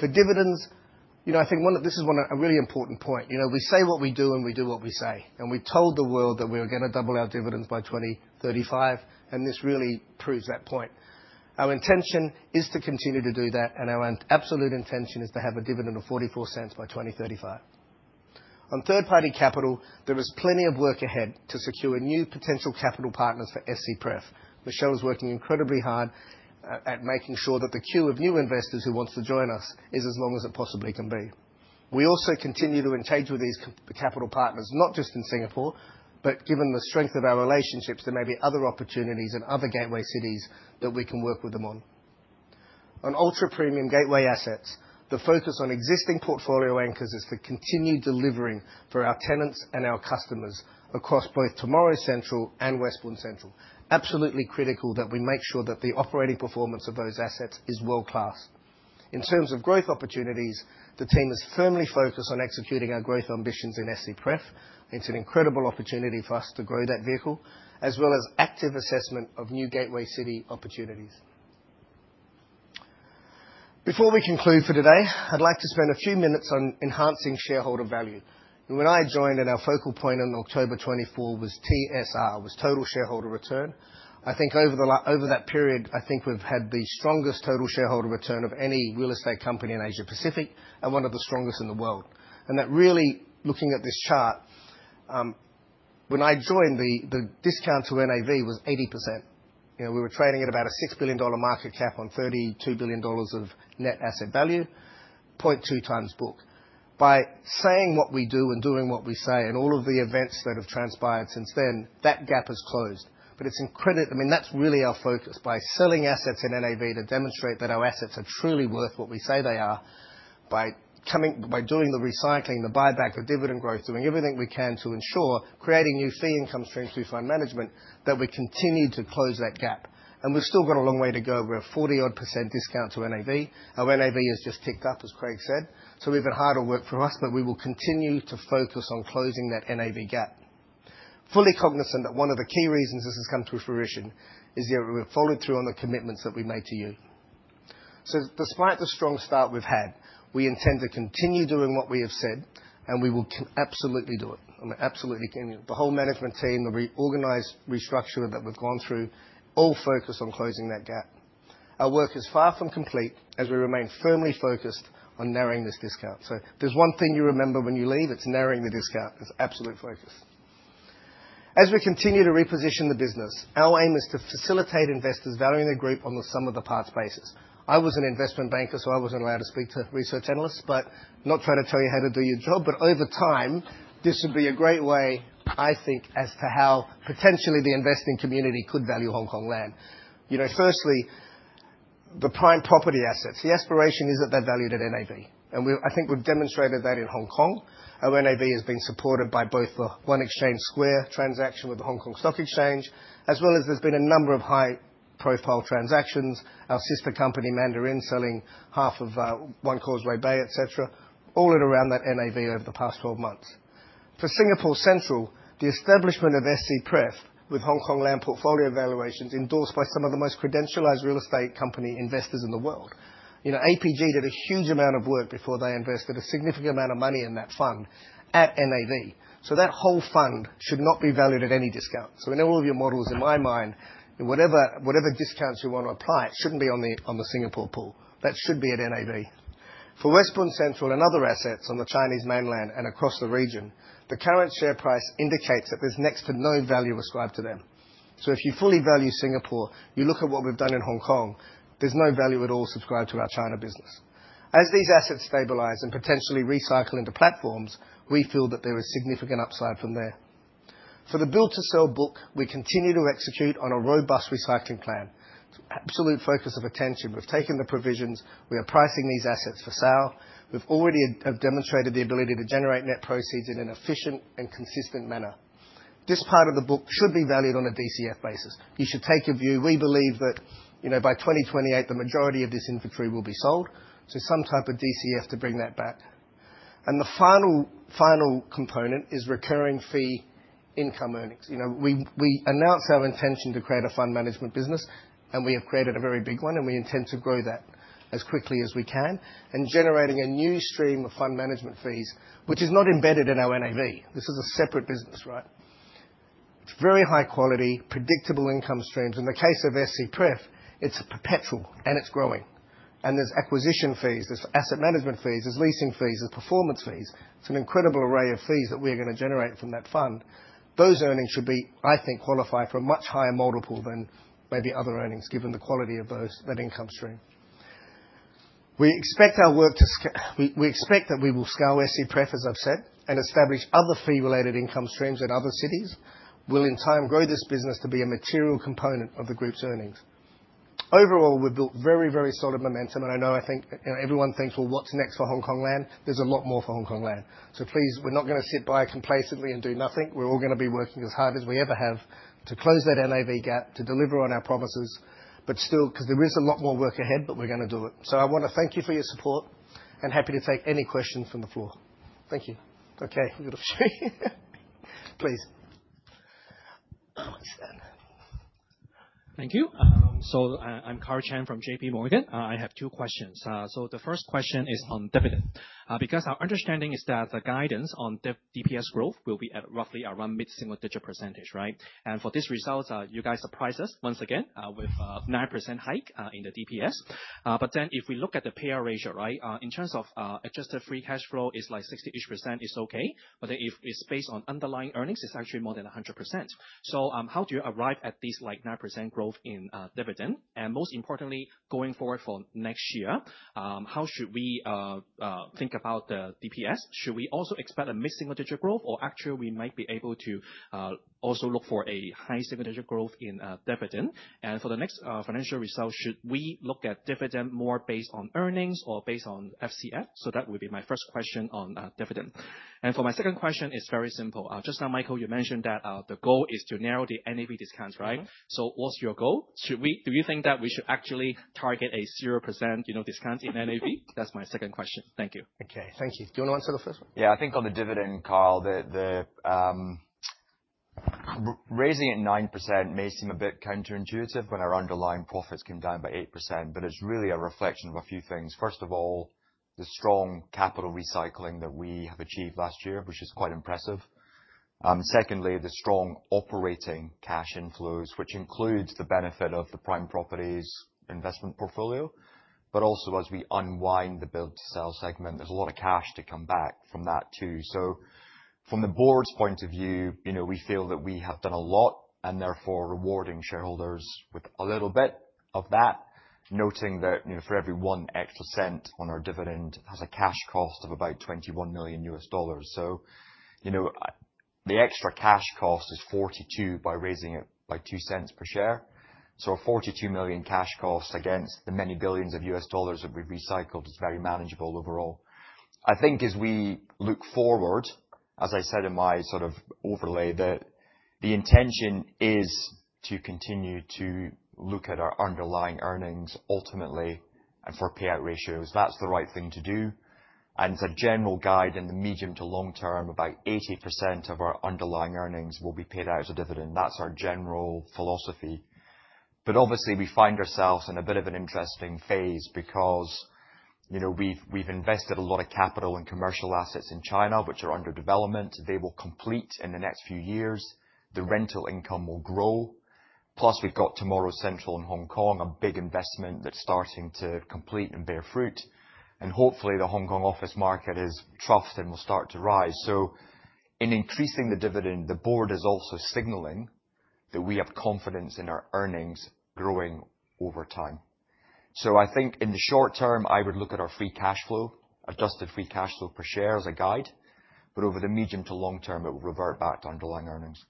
For dividends, I think this is a really important point. We say what we do, and we do what we say. We told the world that we are going to double our dividends by 2035, and this really proves that point. Our intention is to continue to do that, and our absolute intention is to have a dividend of $0.44 by 2035. On third-party capital, there is plenty of work ahead to secure new potential capital partners for SCPREF. Michelle is working incredibly hard at making sure that the queue of new investors who wants to join us is as long as it possibly can be. We also continue to engage with these capital partners, not just in Singapore, but given the strength of our relationships, there may be other opportunities in other gateway cities that we can work with them on. On ultra-premium gateway assets, the focus on existing portfolio anchors is to continue delivering for our tenants and our customers across both Tomorrow Central and Westbund Central. Absolutely critical that we make sure that the operating performance of those assets is world-class. In terms of growth opportunities, the team is firmly focused on executing our growth ambitions in SCPREF. It's an incredible opportunity for us to grow that vehicle, as well as active assessment of new gateway city opportunities. Before we conclude for today, I'd like to spend a few minutes on enhancing shareholder value. When I joined and our focal point on October 24 was TSR, was Total Shareholder Return, I think over that period, I think we've had the strongest total shareholder return of any real estate company in Asia-Pacific and one of the strongest in the world. That really, looking at this chart, when I joined, the discount to NAV was 80%. We were trading at about a $6 billion market cap on $32 billion of net asset value, 0.2 times book. By saying what we do and doing what we say and all of the events that have transpired since then, that gap has closed. That's really our focus. By selling assets in NAV to demonstrate that our assets are truly worth what we say they are, by doing the recycling, the buyback, the dividend growth, doing everything we can to ensure creating new fee income streams through fund management, that we continue to close that gap. We've still got a long way to go. We're at 40-odd% discount to NAV. Our NAV has just ticked up, as Craig said. We've got harder work for us, but we will continue to focus on closing that NAV gap. Fully cognizant that one of the key reasons this has come to fruition is that we're following through on the commitments that we made to you. Despite the strong start we've had, we intend to continue doing what we have said, and we will absolutely do it. I absolutely can. The whole management team, the organized restructure that we've gone through, all focus on closing that gap. Our work is far from complete as we remain firmly focused on narrowing this discount. If there's one thing you remember when you leave, it's narrowing the discount. It's absolute focus. As we continue to reposition the business, our aim is to facilitate investors valuing the group on the sum of the parts basis. I was an investment banker, so I wasn't allowed to speak to research analysts. Not trying to tell you how to do your job, but over time, this would be a great way, I think, as to how potentially the investing community could value Hongkong Land. Firstly, the prime property assets. The aspiration is that they're valued at NAV. I think we've demonstrated that in Hong Kong. Our NAV has been supported by both the One Exchange Square transaction with the Stock Exchange of Hong Kong, as well as there's been a number of high-profile transactions. Our sister company, Mandarin, selling half of One Causeway Bay, et cetera, all at around that NAV over the past 12 months. For Singapore Central, the establishment of SCPREF with Hongkong Land portfolio valuations endorsed by some of the most credentialed real estate company investors in the world. APG did a huge amount of work before they invested a significant amount of money in that fund at NAV. That whole fund should not be valued at any discount. In all of your models, in my mind, whatever discounts you want to apply, it shouldn't be on the Singapore pool. That should be at NAV. For Westbund Central and other assets on the Chinese mainland and across the region, the current share price indicates that there's next to no value ascribed to them. If you fully value Singapore, you look at what we've done in Hong Kong, there's no value at all subscribed to our China business. As these assets stabilize and potentially recycle into platforms, we feel that there is significant upside from there. For the build to sell book, we continue to execute on a robust recycling plan. Absolute focus of attention. We've taken the provisions. We are pricing these assets for sale. We already have demonstrated the ability to generate net proceeds in an efficient and consistent manner. This part of the book should be valued on a DCF basis. You should take a view. We believe that by 2028, the majority of this inventory will be sold, some type of DCF to bring that back. The final component is recurring fee income earnings. We announced our intention to create a fund management business, we have created a very big one, we intend to grow that as quickly as we can, generating a new stream of fund management fees, which is not embedded in our NAV. This is a separate business. It's very high quality, predictable income streams. In the case of SCPREF, it's perpetual and it's growing. There's acquisition fees, there's asset management fees, there's leasing fees, there's performance fees. It's an incredible array of fees that we are going to generate from that fund. Those earnings should be, I think, qualify for a much higher multiple than maybe other earnings, given the quality of that income stream. We expect that we will scale SCPREF, as I've said, establish other fee-related income streams in other cities. We'll, in time, grow this business to be a material component of the group's earnings. Overall, we've built very solid momentum, I know, I think everyone thinks, "Well, what's next for Hongkong Land?" There's a lot more for Hongkong Land. Please, we're not going to sit by complacently and do nothing. We're all going to be working as hard as we ever have to close that NAV gap, to deliver on our promises, but still, because there is a lot more work ahead, we're going to do it. I want to thank you for your support and happy to take any questions from the floor. Thank you. Okay. Please. Thank you. I'm Karl Chan from J.P. Morgan. I have two questions. The first question is on dividend, because our understanding is that the guidance on DPS growth will be at roughly around mid-single digit %, right? For this result, you guys surprised us once again with a 9% hike in the DPS. If we look at the payout ratio, in terms of adjusted free cash flow is like 60-ish % is okay. If it's based on underlying earnings, it's actually more than 100%. How do you arrive at this like 9% growth in dividend? Most importantly, going forward for next year, how should we think about the DPS? Should we also expect a mid-single digit growth, or actually we might be able to also look for a high single digit growth in dividend? For the next financial results, should we look at dividend more based on earnings or based on FCF? That would be my first question on dividend. For my second question, it's very simple. Just now, Michael, you mentioned that the goal is to narrow the NAV discount, right? What's your goal? Do you think that we should actually target a 0% discount in NAV? That's my second question. Thank you. Okay. Thank you. Do you want to answer the first one? Yeah. I think on the dividend, Karl, raising it 9% may seem a bit counterintuitive when our underlying profits came down by 8%, it's really a reflection of a few things. First of all, the strong capital recycling that we have achieved last year, which is quite impressive. Secondly, the strong operating cash inflows, which includes the benefit of the prime properties investment portfolio. Also, as we unwind the build to sell segment, there's a lot of cash to come back from that, too. From the board's point of view, we feel that we have done a lot, and therefore rewarding shareholders with a little bit of that, noting that for every one extra $0.01 on our dividend has a cash cost of about $21 million. The extra cash cost is $42 by raising it by $0.02 per share. A $42 million cash cost against the many billions of U.S. dollars that we've recycled is very manageable overall. I think as we look forward, as I said in my sort of overlay, that the intention is to continue to look at our underlying earnings ultimately. For payout ratios, that's the right thing to do. As a general guide, in the medium to long term, about 80% of our underlying earnings will be paid out as a dividend. That's our general philosophy. Obviously, we find ourselves in a bit of an interesting phase because we've invested a lot of capital in commercial assets in China, which are under development. They will complete in the next few years. The rental income will grow. Plus, we've got Tomorrow Central in Hong Kong, a big investment that's starting to complete and bear fruit. Hopefully, the Hong Kong office market has troughed and will start to rise. In increasing the dividend, the board is also signaling that we have confidence in our earnings growing over time. I think in the short term, I would look at our free cash flow, adjusted free cash flow per share as a guide. Over the medium to long term, it will revert back to underlying earnings.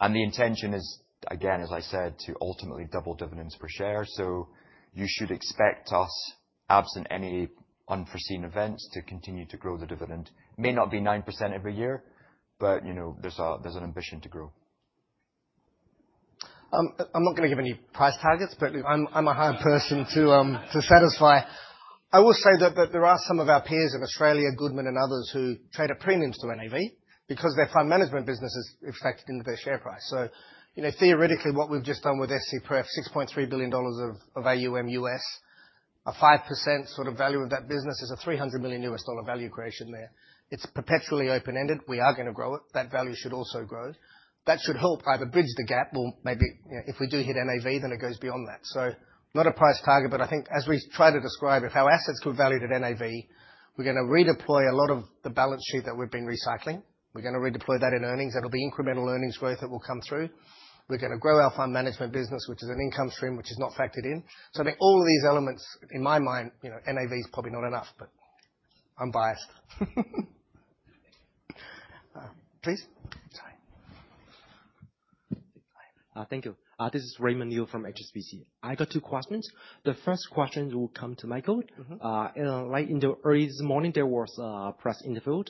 The intention is, again, as I said, to ultimately double dividends per share. You should expect us, absent any unforeseen events, to continue to grow the dividend. May not be 9% every year, but there's an ambition to grow. I'm not going to give any price targets, but I'm a hard person to satisfy. I will say that there are some of our peers in Australia, Goodman and others, who trade at premiums to NAV because their fund management business is factored into their share price. Theoretically, what we've just done with SCPREF, $6.3 billion of AUM, a 5% sort of value of that business is a $300 million value creation there. It's perpetually open-ended. We are going to grow it. That value should also grow. That should help either bridge the gap or maybe if we do hit NAV, then it goes beyond that. Not a price target, but I think as we try to describe if our assets were valued at NAV, we're going to redeploy a lot of the balance sheet that we've been recycling. We're going to redeploy that in earnings. That'll be incremental earnings growth that will come through. We're going to grow our fund management business, which is an income stream, which is not factored in. I think all of these elements, in my mind, NAV is probably not enough, but I'm biased. Please. Sorry. Thank you. This is Raymond Yu from HSBC. I got two questions. The first question will come to Michael. Right in the earliest morning, there was a press interview.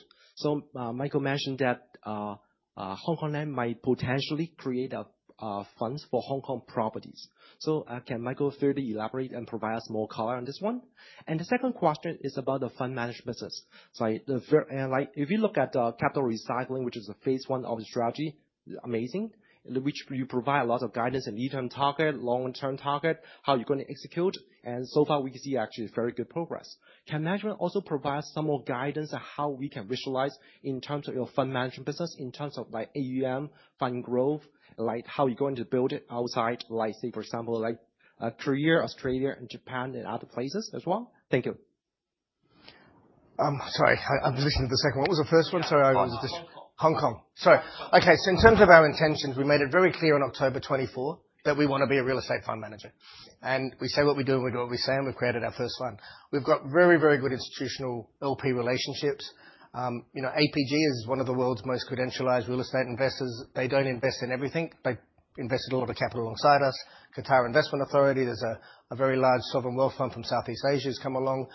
Michael mentioned that Hongkong Land might potentially create funds for Hong Kong properties. Can Michael further elaborate and provide us more color on this one? The second question is about the fund management business. If you look at the capital recycling, which is the phase 1 of the strategy, amazing, which you provide a lot of guidance and near-term target, long-term target, how you're going to execute. So far, we can see actually very good progress. Can management also provide us some more guidance on how we can visualize in terms of your fund management business, in terms of AUM, fund growth, how you're going to build it outside, say for example, Korea, Australia, and Japan, and other places as well? Thank you. Sorry. I've listened to the second. What was the first one? Sorry. Hong Kong. Hong Kong. Sorry. Okay. In terms of our intentions, we made it very clear on October 24 that we want to be a real estate fund manager. We say what we do, and we do what we say, and we've created our first fund. We've got very good institutional LP relationships. APG is one of the world's most credentialized real estate investors. They don't invest in everything. They invested a lot of capital alongside us. Qatar Investment Authority. There's a very large sovereign wealth fund from Southeast Asia that's come along.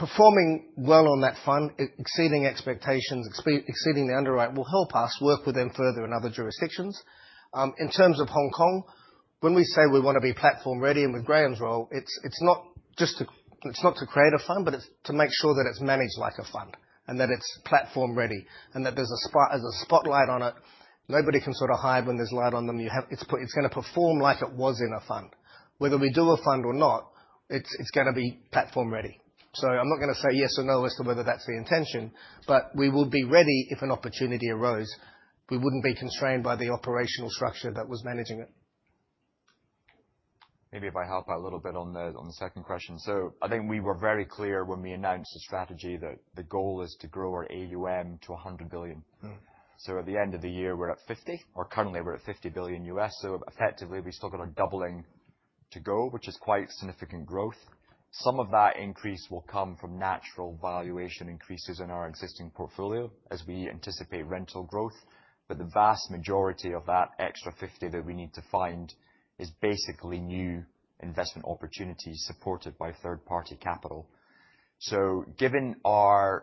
Performing well on that fund, exceeding expectations, exceeding the underwrite, will help us work with them further in other jurisdictions. In terms of Hong Kong, when we say we want to be platform ready and with Graeme's role, it's not to create a fund, but it's to make sure that it's managed like a fund and that it's platform ready and that there's a spotlight on it. Nobody can hide when there's light on them. It's going to perform like it was in a fund. Whether we do a fund or not, it's going to be platform ready. I'm not going to say yes or no as to whether that's the intention, but we would be ready if an opportunity arose. We wouldn't be constrained by the operational structure that was managing it. Maybe if I help out a little bit on the second question. I think we were very clear when we announced the strategy that the goal is to grow our AUM to $100 billion. At the end of the year, we're at $50 billion US. Effectively, we've still got a doubling to go, which is quite significant growth. Some of that increase will come from natural valuation increases in our existing portfolio as we anticipate rental growth. The vast majority of that extra $50 that we need to find is basically new investment opportunities supported by third-party capital. Given our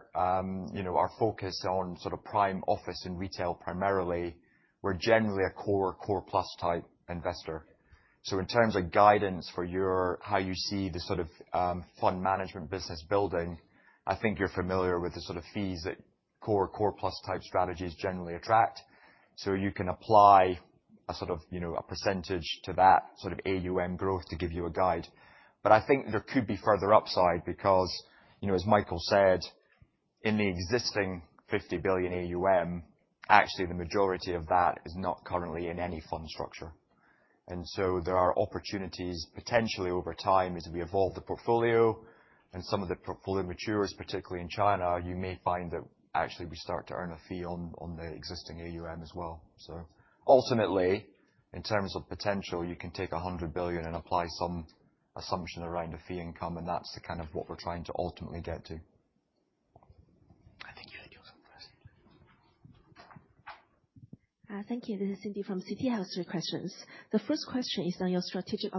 focus on prime office and retail primarily, we're generally a core plus type investor. In terms of guidance for how you see the fund management business building, I think you're familiar with the sort of fees that core plus type strategies generally attract. You can apply a percentage to that AUM growth to give you a guide. I think there could be further upside because, as Michael said, in the existing $50 billion AUM, actually the majority of that is not currently in any fund structure. There are opportunities potentially over time as we evolve the portfolio and some of the portfolio matures, particularly in China, you may find that actually we start to earn a fee on the existing AUM as well. Ultimately, in terms of potential, you can take $100 billion and apply some assumption around a fee income, and that's what we're trying to ultimately get to. I think you had yours Thank you. This is Cindy from CT. I have three questions. The first question is on your strategic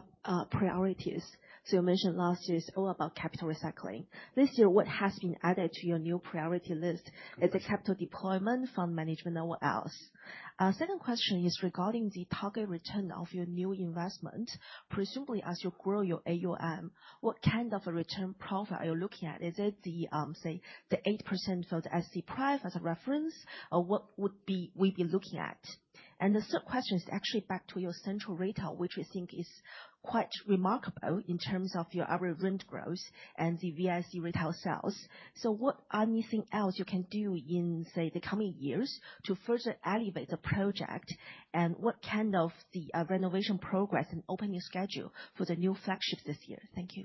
priorities. You mentioned last year it's all about capital recycling. This year, what has been added to your new priority list? Is it capital deployment, fund management, or what else? Second question is regarding the target return of your new investment. Presumably as you grow your AUM, what kind of a return profile are you looking at? Is it, say, the 80% of the SCPREF as a reference? Or what would we be looking at? The third question is actually back to your Central Retail, which we think is quite remarkable in terms of your average rent growth and the VIC retail sales. What anything else you can do in, say, the coming years to further elevate the project? What kind of the renovation progress and opening schedule for the new flagship this year? Thank you.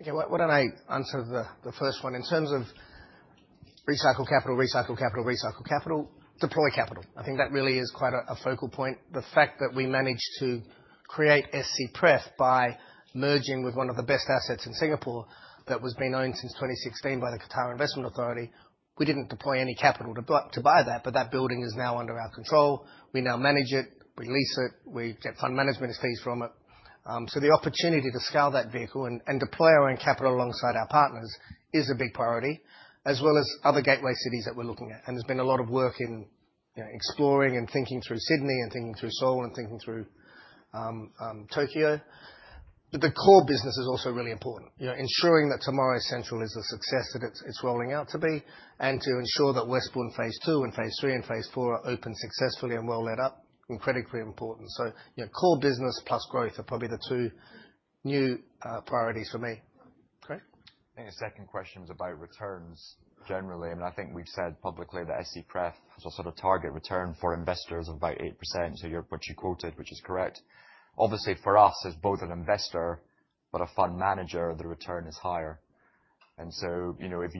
Okay. Why don't I answer the first one. In terms of recycled capital, deploy capital. I think that really is quite a focal point. The fact that we managed to create SCPREF by merging with one of the best assets in Singapore that was being owned since 2016 by the Qatar Investment Authority, we didn't deploy any capital to buy that building is now under our control. We now manage it. We lease it. We get fund management fees from it. The opportunity to scale that vehicle and deploy our own capital alongside our partners is a big priority, as well as other gateway cities that we're looking at. There's been a lot of work in exploring and thinking through Sydney and thinking through Seoul and thinking through Tokyo. The core business is also really important. Ensuring that Tomorrow Central is the success that it's rolling out to be, and to ensure that Westbund phase 2 and phase 3 and phase 4 are opened successfully and well let up is critically important. Core business plus growth are probably the two new priorities for me. Craig? I think the second question is about returns generally. I think we've said publicly that SCPREF has a sort of target return for investors of about 8%, so what you quoted, which is correct. Obviously, for us as both an investor but a fund manager, the return is higher. If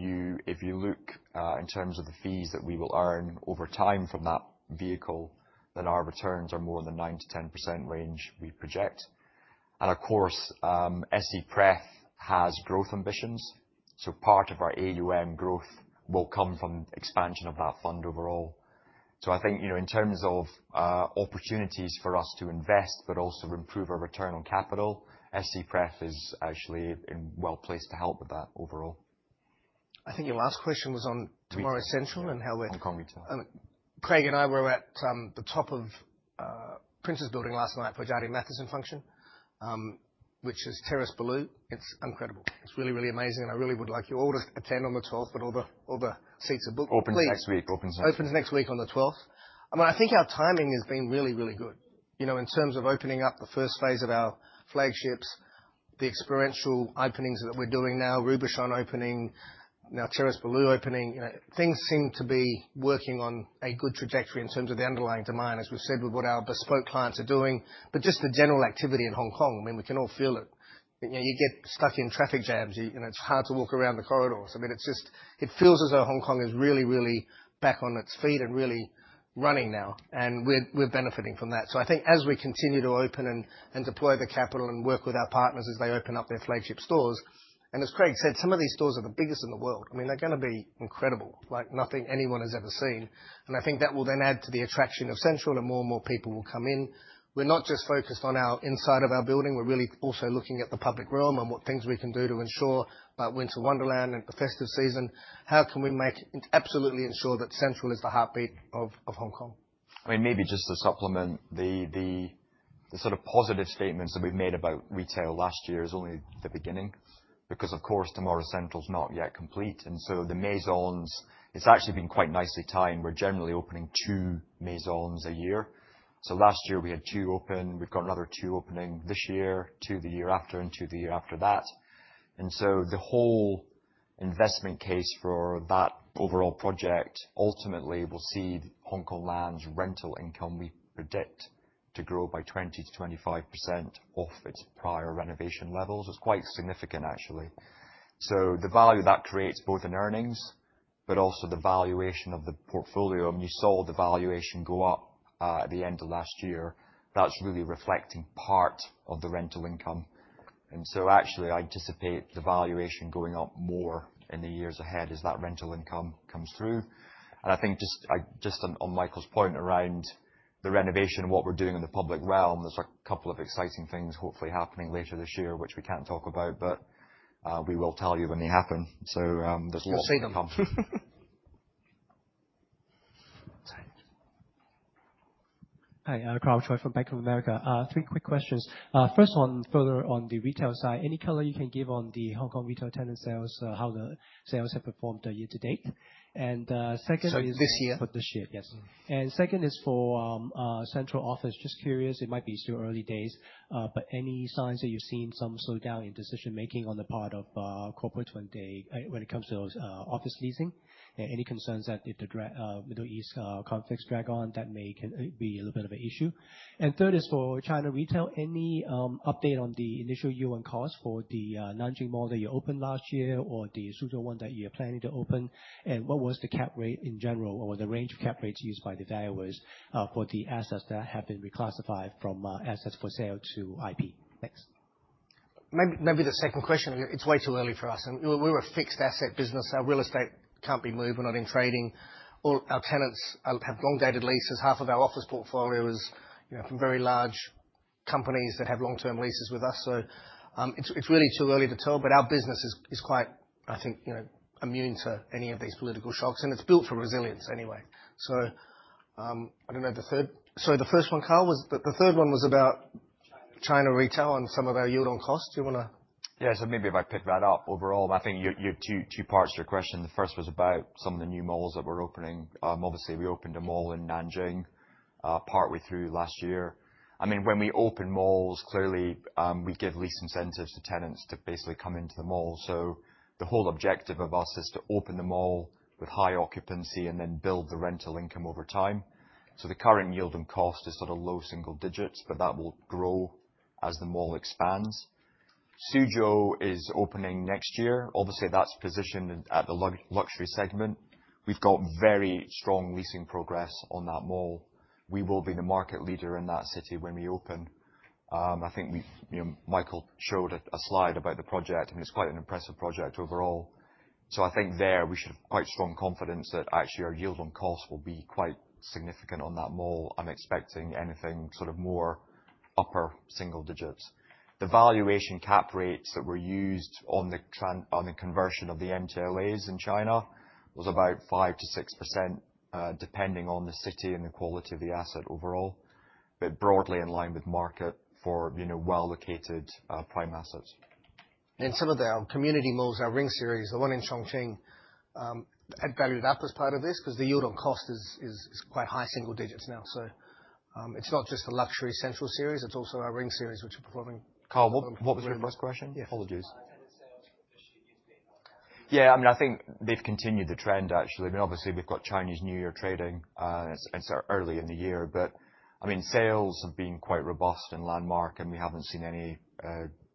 you look in terms of the fees that we will earn over time from that vehicle, then our returns are more in the 9%-10% range we project. Of course, SCPREF has growth ambitions. Part of our AUM growth will come from expansion of that fund overall. I think, in terms of opportunities for us to invest but also improve our return on capital, SCPREF is actually well-placed to help with that overall. I think your last question was on Tomorrow Central and how we're In Hong Kong retail. Craig and I were at the top of Prince's Building last night for a Jardine Matheson function, which is Terrace Boulud. It's incredible. It's really, really amazing. I really would like you all to attend on the 12th. All the seats are booked. Please. Opens next week. Opens next week on the 12th. I think our timing has been really, really good. In terms of opening up the first phase of our flagships, the experiential openings that we're doing now, Robuchon opening, now Terrace Boulud opening. Things seem to be working on a good trajectory in terms of the underlying demand, as we've said, with what our BESPOKE clients are doing. Just the general activity in Hong Kong, we can all feel it. You get stuck in traffic jams, and it's hard to walk around the corridors. It feels as though Hong Kong is really, really back on its feet and really running now, and we're benefiting from that. I think as we continue to open and deploy the capital and work with our partners as they open up their flagship stores, as Craig said, some of these stores are the biggest in the world. They're going to be incredible, like nothing anyone has ever seen. I think that will then add to the attraction of Central, and more and more people will come in. We're not just focused on our inside of our building. We're really also looking at the public realm and what things we can do to ensure, like Winter Wonderland and the festive season, how can we absolutely ensure that Central is the heartbeat of Hong Kong. Maybe just to supplement the sort of positive statements that we've made about retail last year is only the beginning. Of course, Tomorrow Central's not yet complete, the Maisons, it's actually been quite nicely timed. We're generally opening two Maisons a year. Last year we had two open. We've got another two opening this year, two the year after, and two the year after that. The whole investment case for that overall project ultimately will see Hongkong Land's rental income, we predict, to grow by 20%-25% off its prior renovation levels. It's quite significant, actually. The value that creates both in earnings, but also the valuation of the portfolio, and you saw the valuation go up at the end of last year. That's really reflecting part of the rental income. Actually, I anticipate the valuation going up more in the years ahead as that rental income comes through. I think just on Michael's point around the renovation and what we're doing in the public realm, there's a couple of exciting things hopefully happening later this year, which we can't talk about, but we will tell you when they happen. There's a lot to come. You'll see them. Sorry. Hi, Karl Choi from Bank of America. Three quick questions. First one, further on the retail side, any color you can give on the Hong Kong retail tenant sales, how the sales have performed year to date? Second is- Sorry, this year? For this year, yes. Second is for Central Office. Just curious, it might be still early days, but any signs that you've seen some slowdown in decision-making on the part of corporate when it comes to office leasing? Any concerns that if the Middle East conflicts drag on, that may be a little bit of an issue? Third is for China Retail. Any update on the initial yield on cost for the Nanjing Mall that you opened last year or the Suzhou one that you're planning to open? What was the cap rate in general, or the range of cap rates used by the valuers for the assets that have been reclassified from assets for sale to IP? Thanks. Maybe the second question, it's way too early for us. We're a fixed asset business. Our real estate can't be moved. We're not in trading. All our tenants have long-dated leases. Half of our office portfolio is from very large companies that have long-term leases with us. It's really too early to tell, but our business is quite, I think, immune to any of these political shocks, and it's built for resilience anyway. I don't know the third. Sorry, the first one, Karl, the third one was about- China China retail and some of our yield on costs. Do you want to? Yeah. Maybe if I pick that up. Overall, I think you have two parts to your question. The first was about some of the new malls that we're opening. Obviously, we opened a mall in Nanjing partway through last year. When we open malls, clearly, we give lease incentives to tenants to basically come into the mall. The whole objective of us is to open the mall with high occupancy and then build the rental income over time. The current yield and cost is sort of low single digits, but that will grow as the mall expands. Suzhou is opening next year. Obviously, that's positioned at the luxury segment. We've got very strong leasing progress on that mall. We will be the market leader in that city when we open. I think Michael showed a slide about the project, and it's quite an impressive project overall. I think there we should have quite strong confidence that actually our yield on cost will be quite significant on that mall. I'm expecting anything sort of more upper single digits. The valuation cap rates that were used on the conversion of the MTLAs in China was about 5%-6%, depending on the city and the quality of the asset overall, but broadly in line with market for well-located prime assets. In some of our community malls, our Ring series, the one in Chongqing, had valued up as part of this because the yield on cost is quite high single digits now. It's not just the luxury Central series, it's also our Ring series, which are performing Karl, what was your first question? Yeah. Apologies. Tenants sales for this year has been like how? Yeah, I think they've continued the trend, actually. Obviously, we've got Chinese New Year trading, early in the year. Sales have been quite robust in Landmark, and we haven't seen any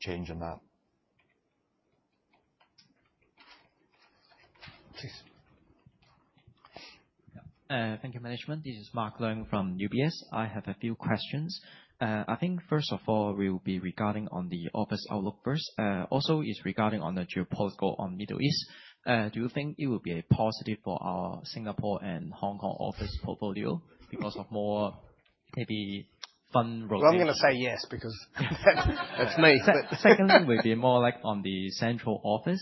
change in that. Please. Thank you, management. This is Mark Leung from UBS. I have a few questions. I think first of all, will be regarding on the office outlook first. Also, it's regarding on the geopolitical on Middle East. Do you think it will be a positive for our Singapore and Hong Kong office portfolio because of more maybe fund rotation? Well, I'm going to say yes because that's me. Second will be more like on the Central office.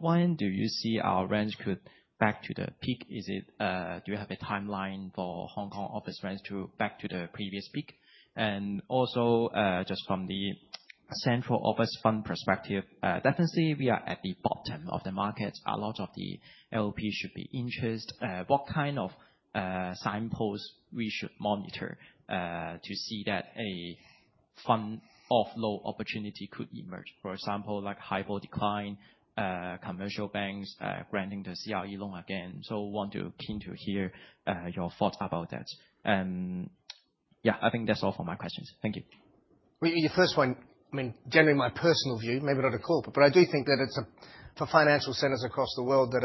When do you see our rents could back to the peak? Do you have a timeline for Hong Kong office rents to back to the previous peak? Just from the Central office fund perspective, definitely we are at the bottom of the market. A lot of the LPs should be interested. What kind of signposts we should monitor to see that a fund offload opportunity could emerge? For example, like high ball decline, commercial banks granting the CRE loan again. Want to keen to hear your thoughts about that. I think that's all for my questions. Thank you. Your first one, generally my personal view, maybe not a call, but I do think that it's for financial centers across the world that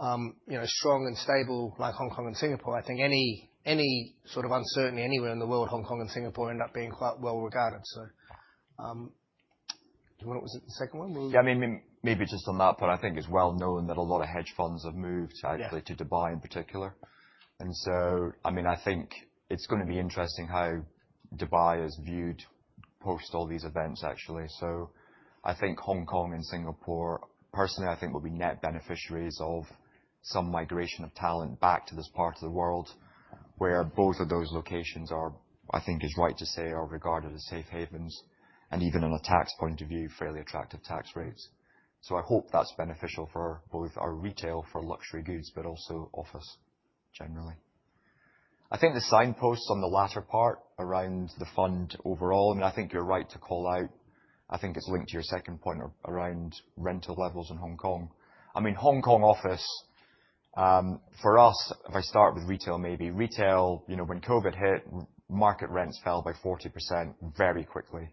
are strong and stable like Hong Kong and Singapore, I think any sort of uncertainty anywhere in the world, Hong Kong and Singapore end up being quite well-regarded. What was it, the second one? Yeah, maybe just on that, I think it's well-known that a lot of hedge funds have moved actually to Dubai in particular. I think it's going to be interesting how Dubai is viewed post all these events, actually. I think Hong Kong and Singapore, personally, I think will be net beneficiaries of some migration of talent back to this part of the world, where both of those locations are, I think is right to say, are regarded as safe havens, and even on a tax point of view, fairly attractive tax rates. I hope that's beneficial for both our retail for luxury goods, but also office generally. I think the signposts on the latter part around the fund overall, I think you're right to call out. I think it's linked to your second point around rental levels in Hong Kong. Hong Kong office, for us, if I start with retail, maybe retail, when COVID hit, market rents fell by 40% very quickly.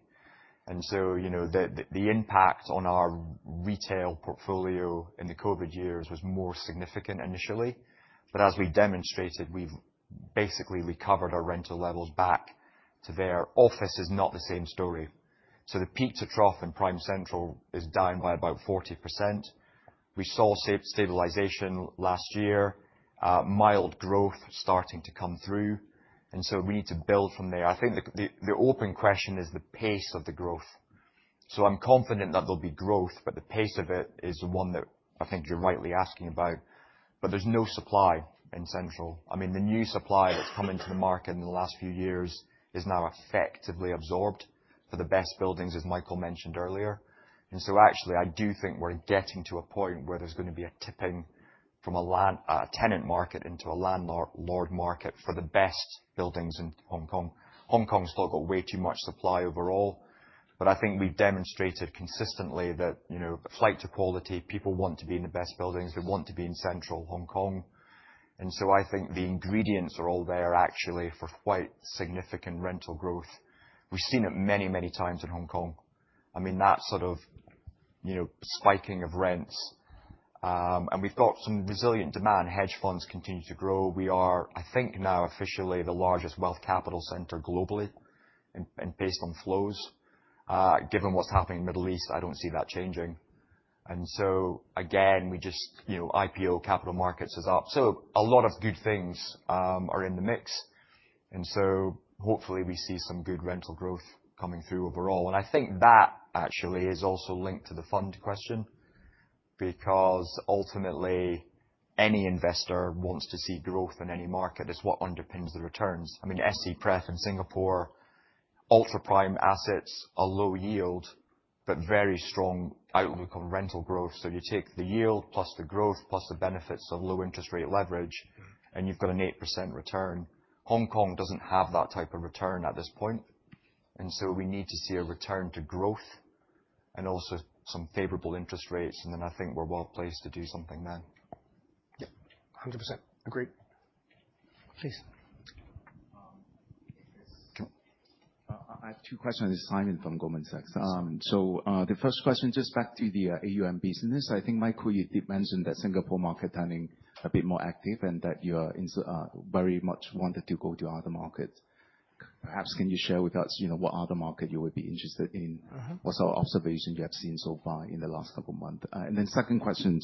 The impact on our retail portfolio in the COVID years was more significant initially. As we demonstrated, we've basically recovered our rental levels back to there. Office is not the same story. The peak to trough in Prime Central is down by about 40%. We saw stabilization last year, mild growth starting to come through. We need to build from there. I think the open question is the pace of the growth. I'm confident that there'll be growth, but the pace of it is the one that I think you're rightly asking about, but there's no supply in Central. The new supply that's come into the market in the last few years is now effectively absorbed for the best buildings, as Michael mentioned earlier. Actually, I do think we're getting to a point where there's going to be a tipping from a tenant market into a landlord market for the best buildings in Hong Kong. Hong Kong's still got way too much supply overall, but I think we've demonstrated consistently that flight to quality, people want to be in the best buildings. They want to be in Central Hong Kong. I think the ingredients are all there actually for quite significant rental growth. We've seen it many times in Hong Kong. I mean, Spiking of rents. We've got some resilient demand. Hedge funds continue to grow. We are, I think now, officially the largest wealth capital center globally and based on flows. Given what's happening in Middle East, I don't see that changing. IPO capital markets is up. A lot of good things are in the mix. Hopefully, we see some good rental growth coming through overall. I think that actually is also linked to the fund question, because ultimately, any investor wants to see growth in any market. It's what underpins the returns. I mean, SCPREF in Singapore, ultra prime assets are low yield, but very strong outlook on rental growth. You take the yield plus the growth, plus the benefits of low interest rate leverage, and you've got an 8% return. Hong Kong doesn't have that type of return at this point, we need to see a return to growth and also some favorable interest rates, I think we're well-placed to do something then. Yep, 100% agree. Please. I have two questions. It's Simon from Goldman Sachs. The first question, just back to the AUM business. I think, Michael, you did mention that Singapore market turning a bit more active and that you very much wanted to go to other markets. Perhaps can you share with us what other market you would be interested in? What's the observation you have seen so far in the last couple of months? Second question,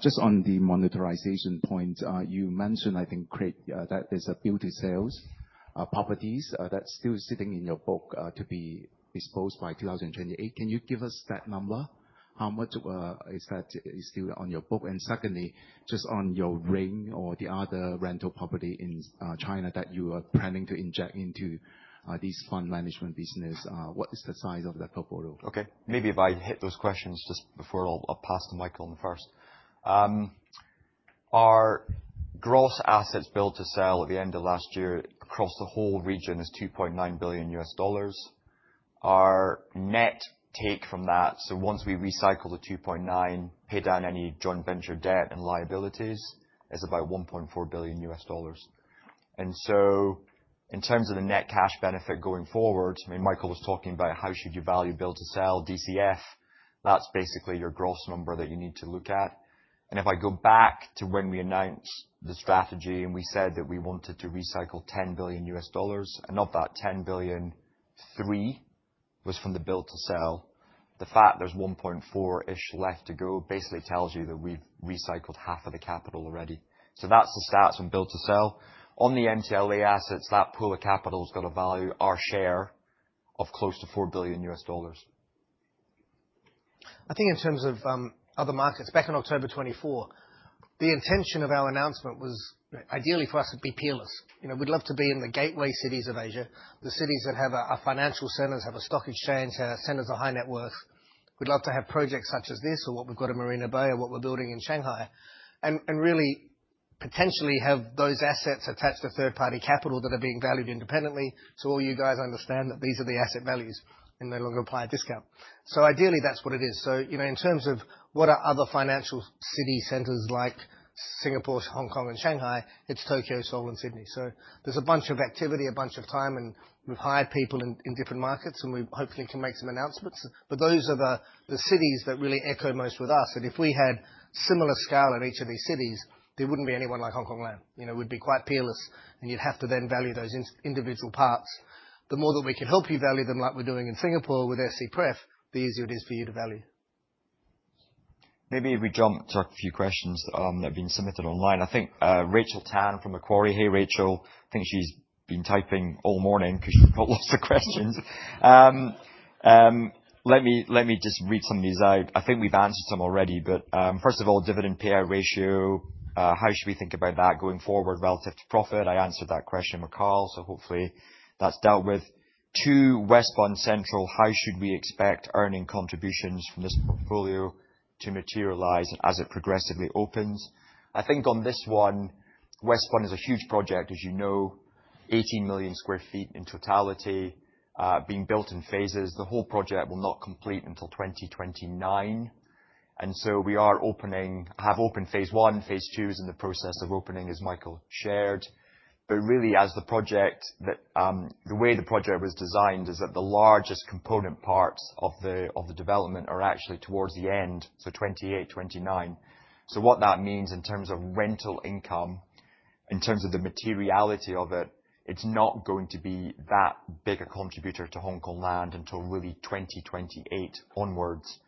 just on the monetization point, you mentioned, I think, Craig, that there's a build-to-sell properties that's still sitting in your book to be disposed by 2028. Can you give us that number? How much is that is still on your book? Secondly, just on your The Ring or the other rental property in China that you are planning to inject into this fund management business, what is the size of that portfolio? Okay, maybe if I hit those questions just before I'll pass to Michael on the first. Our gross assets build-to-sell at the end of last year across the whole region is $2.9 billion. Our net take from that, so once we recycle the 2.9, pay down any joint venture debt and liabilities, is about $1.4 billion. In terms of the net cash benefit going forward, Michael was talking about how should you value build-to-sell DCF, that's basically your gross number that you need to look at. If I go back to when we announced the strategy and we said that we wanted to recycle $10 billion, and of that $10 billion, $3 billion was from the build-to-sell. The fact there's 1.4-ish left to go basically tells you that we've recycled half of the capital already. That's the stats on build-to-sell. On the NCLE assets, that pool of capital has got a value, our share, of close to $4 billion. I think in terms of other markets, back in October 24, the intention of our announcement was ideally for us it'd be peerless. We'd love to be in the gateway cities of Asia, the cities that have financial centers, have a stock exchange, have centers of high-net-worth. We'd love to have projects such as this or what we've got at Marina Bay or what we're building in Shanghai, and really potentially have those assets attached to third-party capital that are being valued independently. All you guys understand that these are the asset values, and they no longer apply a discount. Ideally, that's what it is. In terms of what are other financial city centers like Singapore, Hong Kong, and Shanghai, it's Tokyo, Seoul, and Sydney. There's a bunch of activity, a bunch of time, we've hired people in different markets, and we hopefully can make some announcements. Those are the cities that really echo most with us. If we had similar scale in each of these cities, there wouldn't be anyone like Hongkong Land. We'd be quite peerless, and you'd have to then value those individual parts. The more that we can help you value them like we're doing in Singapore with SCPREF, the easier it is for you to value. Maybe if we jump to a few questions that have been submitted online. Rachel Tan from Macquarie. Hey, Rachel. She's been typing all morning because she's got lots of questions. Let me just read some of these out. We've answered some already. First of all, dividend payout ratio, how should we think about that going forward relative to profit? I answered that question with Karl, hopefully that's dealt with. Two, West Bund Central, how should we expect earning contributions from this portfolio to materialize as it progressively opens? On this one, West Bund is a huge project, as you know, 18 million sq ft in totality, being built in phases. The whole project will not complete until 2029. We have opened phase 1, phase 2 is in the process of opening, as Michael shared. Really, the way the project was designed is that the largest component parts of the development are actually towards the end, 2028, 2029. What that means in terms of rental income, in terms of the materiality of it's not going to be that big a contributor to Hongkong Land until really 2028 onwards.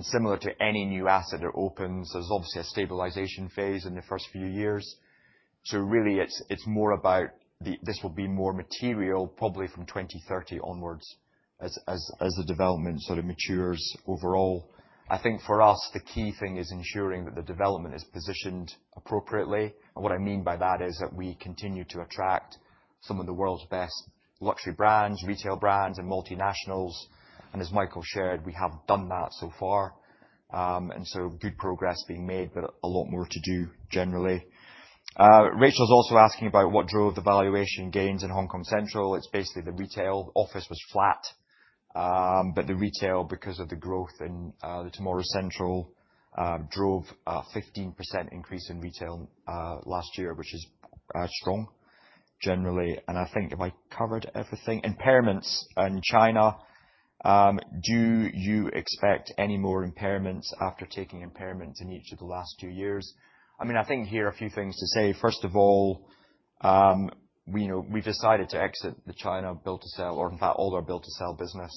Similar to any new asset that opens, there's obviously a stabilization phase in the first few years. Really, it's more about this will be more material probably from 2030 onwards as the development sort of matures overall. I think for us, the key thing is ensuring that the development is positioned appropriately. What I mean by that is that we continue to attract some of the world's best luxury brands, retail brands, and multinationals. As Michael shared, we have done that so far. Good progress being made, a lot more to do generally. Rachel's also asking about what drove the valuation gains in Hong Kong Central. It's basically the retail. Office was flat. The retail, because of the growth in the Tomorrow Central, drove a 15% increase in retail last year, which is strong generally. I think, have I covered everything? Impairments in China, do you expect any more impairments after taking impairments in each of the last two years? I think here a few things to say. First of all, we decided to exit the China build to sell, or in fact all our build to sell business.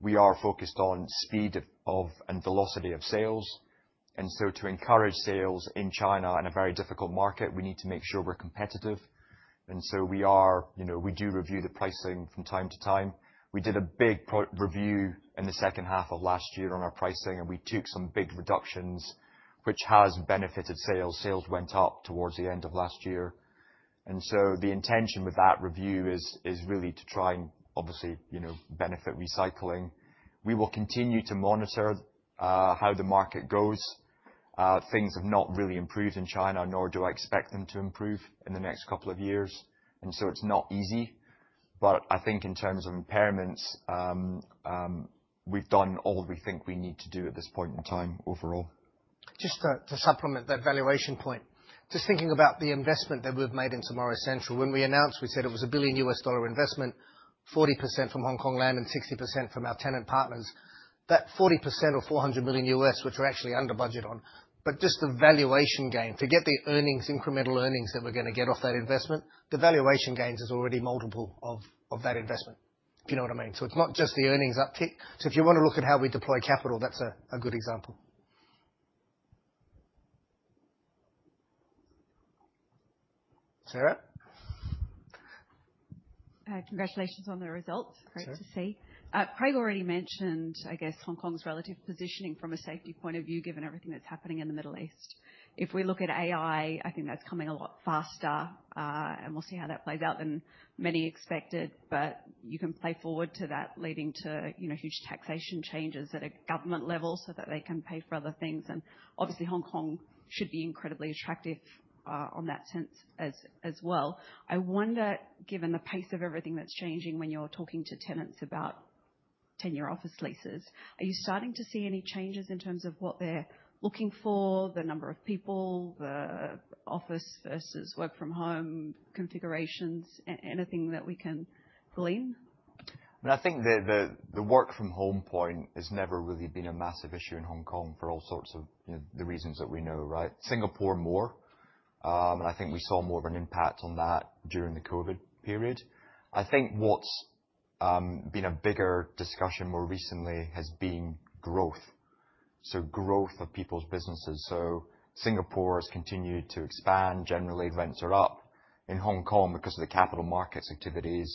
We are focused on speed and velocity of sales. To encourage sales in China in a very difficult market, we need to make sure we're competitive. We do review the pricing from time to time. We did a big review in the second half of last year on our pricing, and we took some big reductions, which has benefited sales. Sales went up towards the end of last year. The intention with that review is really to try and obviously benefit recycling. We will continue to monitor how the market goes. Things have not really improved in China, nor do I expect them to improve in the next couple of years. It's not easy. I think in terms of impairments, we've done all we think we need to do at this point in time overall. Just to supplement that valuation point. Just thinking about the investment that we've made in Tomorrow Central. When we announced, we said it was a $1 billion U.S. dollar investment, 40% from Hongkong Land and 60% from our tenant partners. That 40% of $400 million U.S., which we're actually under budget on, but just the valuation gain, forget the incremental earnings that we're going to get off that investment, the valuation gains is already multiple of that investment. Do you know what I mean? It's not just the earnings uptick. If you want to look at how we deploy capital, that's a good example. Sarah? Congratulations on the results. Sure. Great to see. Craig already mentioned, I guess, Hong Kong's relative positioning from a safety point of view, given everything that's happening in the Middle East. If we look at AI, I think that's coming a lot faster, and we'll see how that plays out, than many expected. You can play forward to that leading to huge taxation changes at a government level so that they can pay for other things. Obviously Hong Kong should be incredibly attractive on that sense as well. I wonder, given the pace of everything that's changing when you're talking to tenants about tenure office leases, are you starting to see any changes in terms of what they're looking for, the number of people, the office versus work from home configurations, anything that we can glean? I think the work from home point has never really been a massive issue in Hong Kong for all sorts of the reasons that we know, right? Singapore more. I think we saw more of an impact on that during the COVID period. I think what's been a bigger discussion more recently has been growth. Growth of people's businesses. Singapore has continued to expand. Generally, rents are up. In Hong Kong because of the capital markets activities,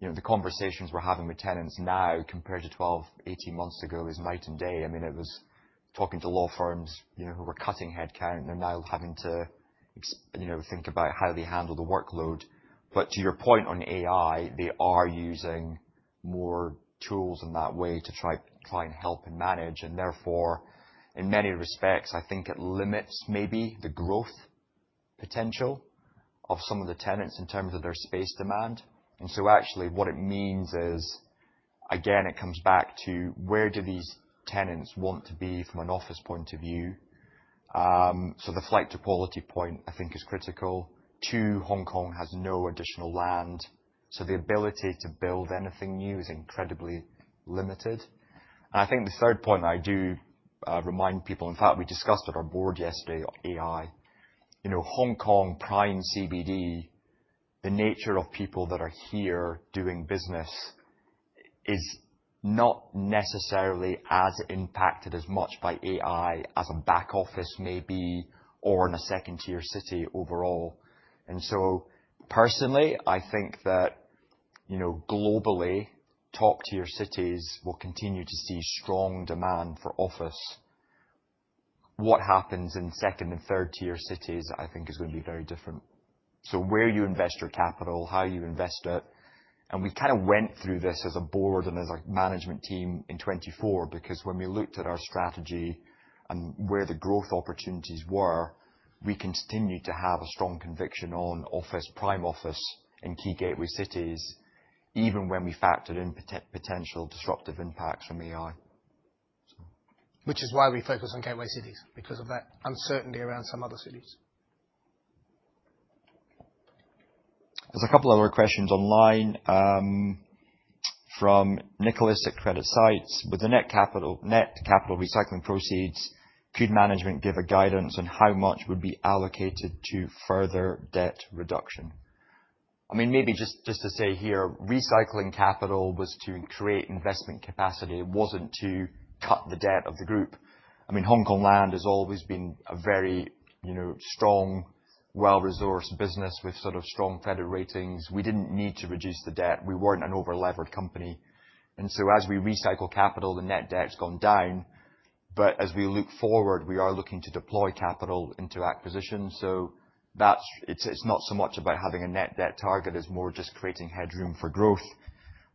the conversations we're having with tenants now compared to 12, 18 months ago is night and day. It was talking to law firms who were cutting headcount and now having to think about how they handle the workload. To your point on AI, they are using more tools in that way to try and help and manage and therefore in many respects I think it limits maybe the growth potential of some of the tenants in terms of their space demand. Actually what it means is, again, it comes back to where do these tenants want to be from an office point of view? The flight to quality point I think is critical. 2, Hong Kong has no additional land, so the ability to build anything new is incredibly limited. I think the 3rd point I do remind people, in fact we discussed at our board yesterday AI. Hong Kong prime CBD, the nature of people that are here doing business is not necessarily as impacted as much by AI as a back office may be, or in a 2nd tier city overall. Personally, I think that globally top tier cities will continue to see strong demand for office. What happens in 2nd and 3rd tier cities I think is going to be very different. Where you invest your capital, how you invest it, and we kind of went through this as a board and as a management team in 2024 because when we looked at our strategy and where the growth opportunities were, we continued to have a strong conviction on prime office in key gateway cities, even when we factored in potential disruptive impacts from AI. Which is why we focus on gateway cities because of that uncertainty around some other cities. There's a couple other questions online from Nicholas at CreditSights. With the net capital recycling proceeds, could management give a guidance on how much would be allocated to further debt reduction? Maybe just to say here, recycling capital was to create investment capacity. It wasn't to cut the debt of the group. Hongkong Land has always been a very strong, well-resourced business with sort of strong credit ratings. We didn't need to reduce the debt. We weren't an overleveraged company. As we recycle capital, the net debt's gone down. As we look forward, we are looking to deploy capital into acquisition. It's not so much about having a net debt target, it's more just creating headroom for growth.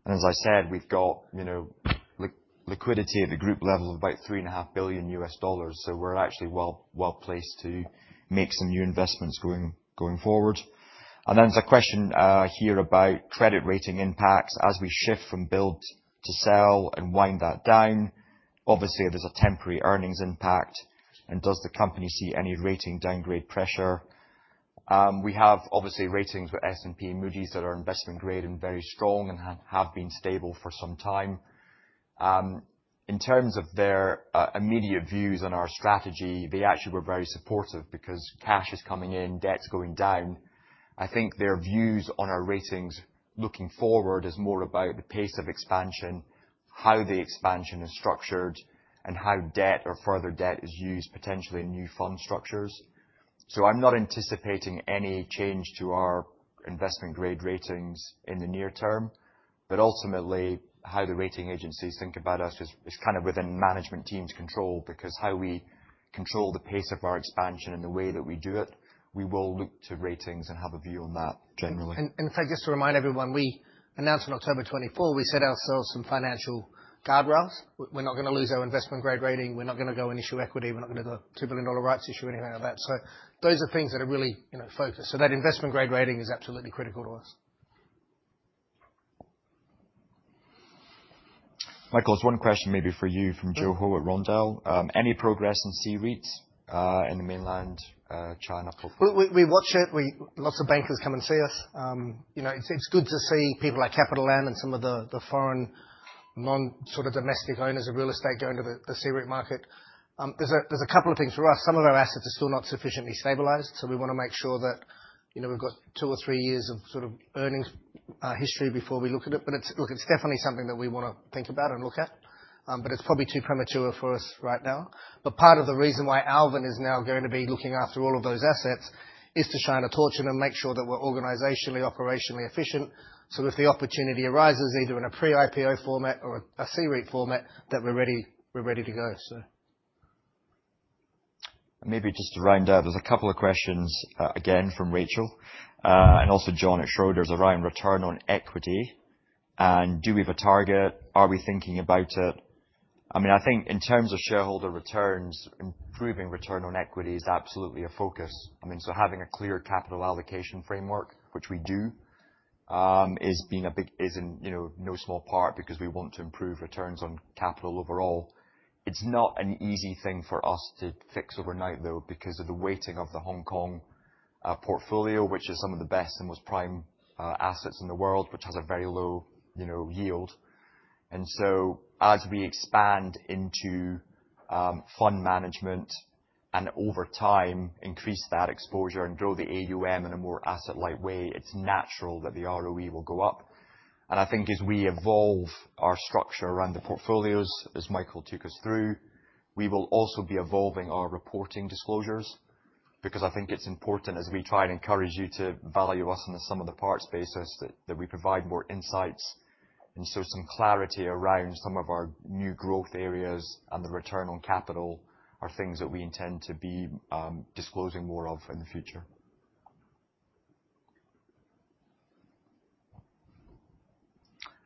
As I said, we've got liquidity at the group level of about $3.5 billion. We're actually well-placed to make some new investments going forward. There's a question here about credit rating impacts. As we shift from build to sell and wind that down, obviously there's a temporary earnings impact. Does the company see any rating downgrade pressure? We have obviously ratings with S&P and Moody's that are investment grade and very strong and have been stable for some time. In terms of their immediate views on our strategy, they actually were very supportive because cash is coming in, debt's going down. I think their views on our ratings looking forward is more about the pace of expansion, how the expansion is structured, and how debt or further debt is used, potentially in new fund structures. I'm not anticipating any change to our investment grade ratings in the near term. Ultimately, how the rating agencies think about us is kind of within management team's control because how we control the pace of our expansion and the way that we do it, we will look to ratings and have a view on that generally. In fact, just to remind everyone, we announced on October 24, we set ourselves some financial guardrails. We're not going to lose our investment grade rating. We're not going to go and issue equity. We're not going to go $2 billion rights issue or anything like that. Those are things that are really focused. That investment grade rating is absolutely critical to us. Michael, there is one question maybe for you from Jo Ho at Rondell. Any progress in C-REITs in the mainland China portfolio? We watch it. Lots of bankers come and see us. It is good to see people like CapitaLand and some of the foreign non sort of domestic owners of real estate going to the C-REIT market. There is a couple of things for us. Some of our assets are still not sufficiently stabilized, so we want to make sure that we have got two or three years of sort of earnings history before we look at it. Look, it is definitely something that we want to think about and look at. It is probably too premature for us right now. Part of the reason why Alvin is now going to be looking after all of those assets is to shine a torch on and make sure that we are organizationally, operationally efficient. If the opportunity arises, either in a pre-IPO format or a C-REIT format, that we are ready to go. Maybe just to round out, there is a couple of questions again from Rachel, and also John at Schroders around return on equity. Do we have a target? Are we thinking about it? I think in terms of shareholder returns, improving return on equity is absolutely a focus. Having a clear capital allocation framework, which we do, is in no small part because we want to improve returns on capital overall. It is not an easy thing for us to fix overnight, though, because of the weighting of the Hong Kong portfolio, which is some of the best and most prime assets in the world, which has a very low yield. As we expand into fund management and over time increase that exposure and grow the AUM in a more asset light way, it is natural that the ROE will go up. I think as we evolve our structure around the portfolios, as Michael took us through, we will also be evolving our reporting disclosures, because I think it is important as we try and encourage you to value us on a sum of the parts basis, that we provide more insights. Some clarity around some of our new growth areas and the return on capital are things that we intend to be disclosing more of in the future.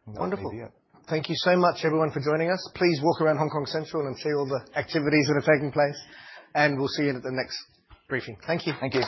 Wonderful. That may be it. Thank you so much everyone for joining us. Please walk around Hong Kong Central and see all the activities that are taking place, and we'll see you at the next briefing. Thank you. Thank you.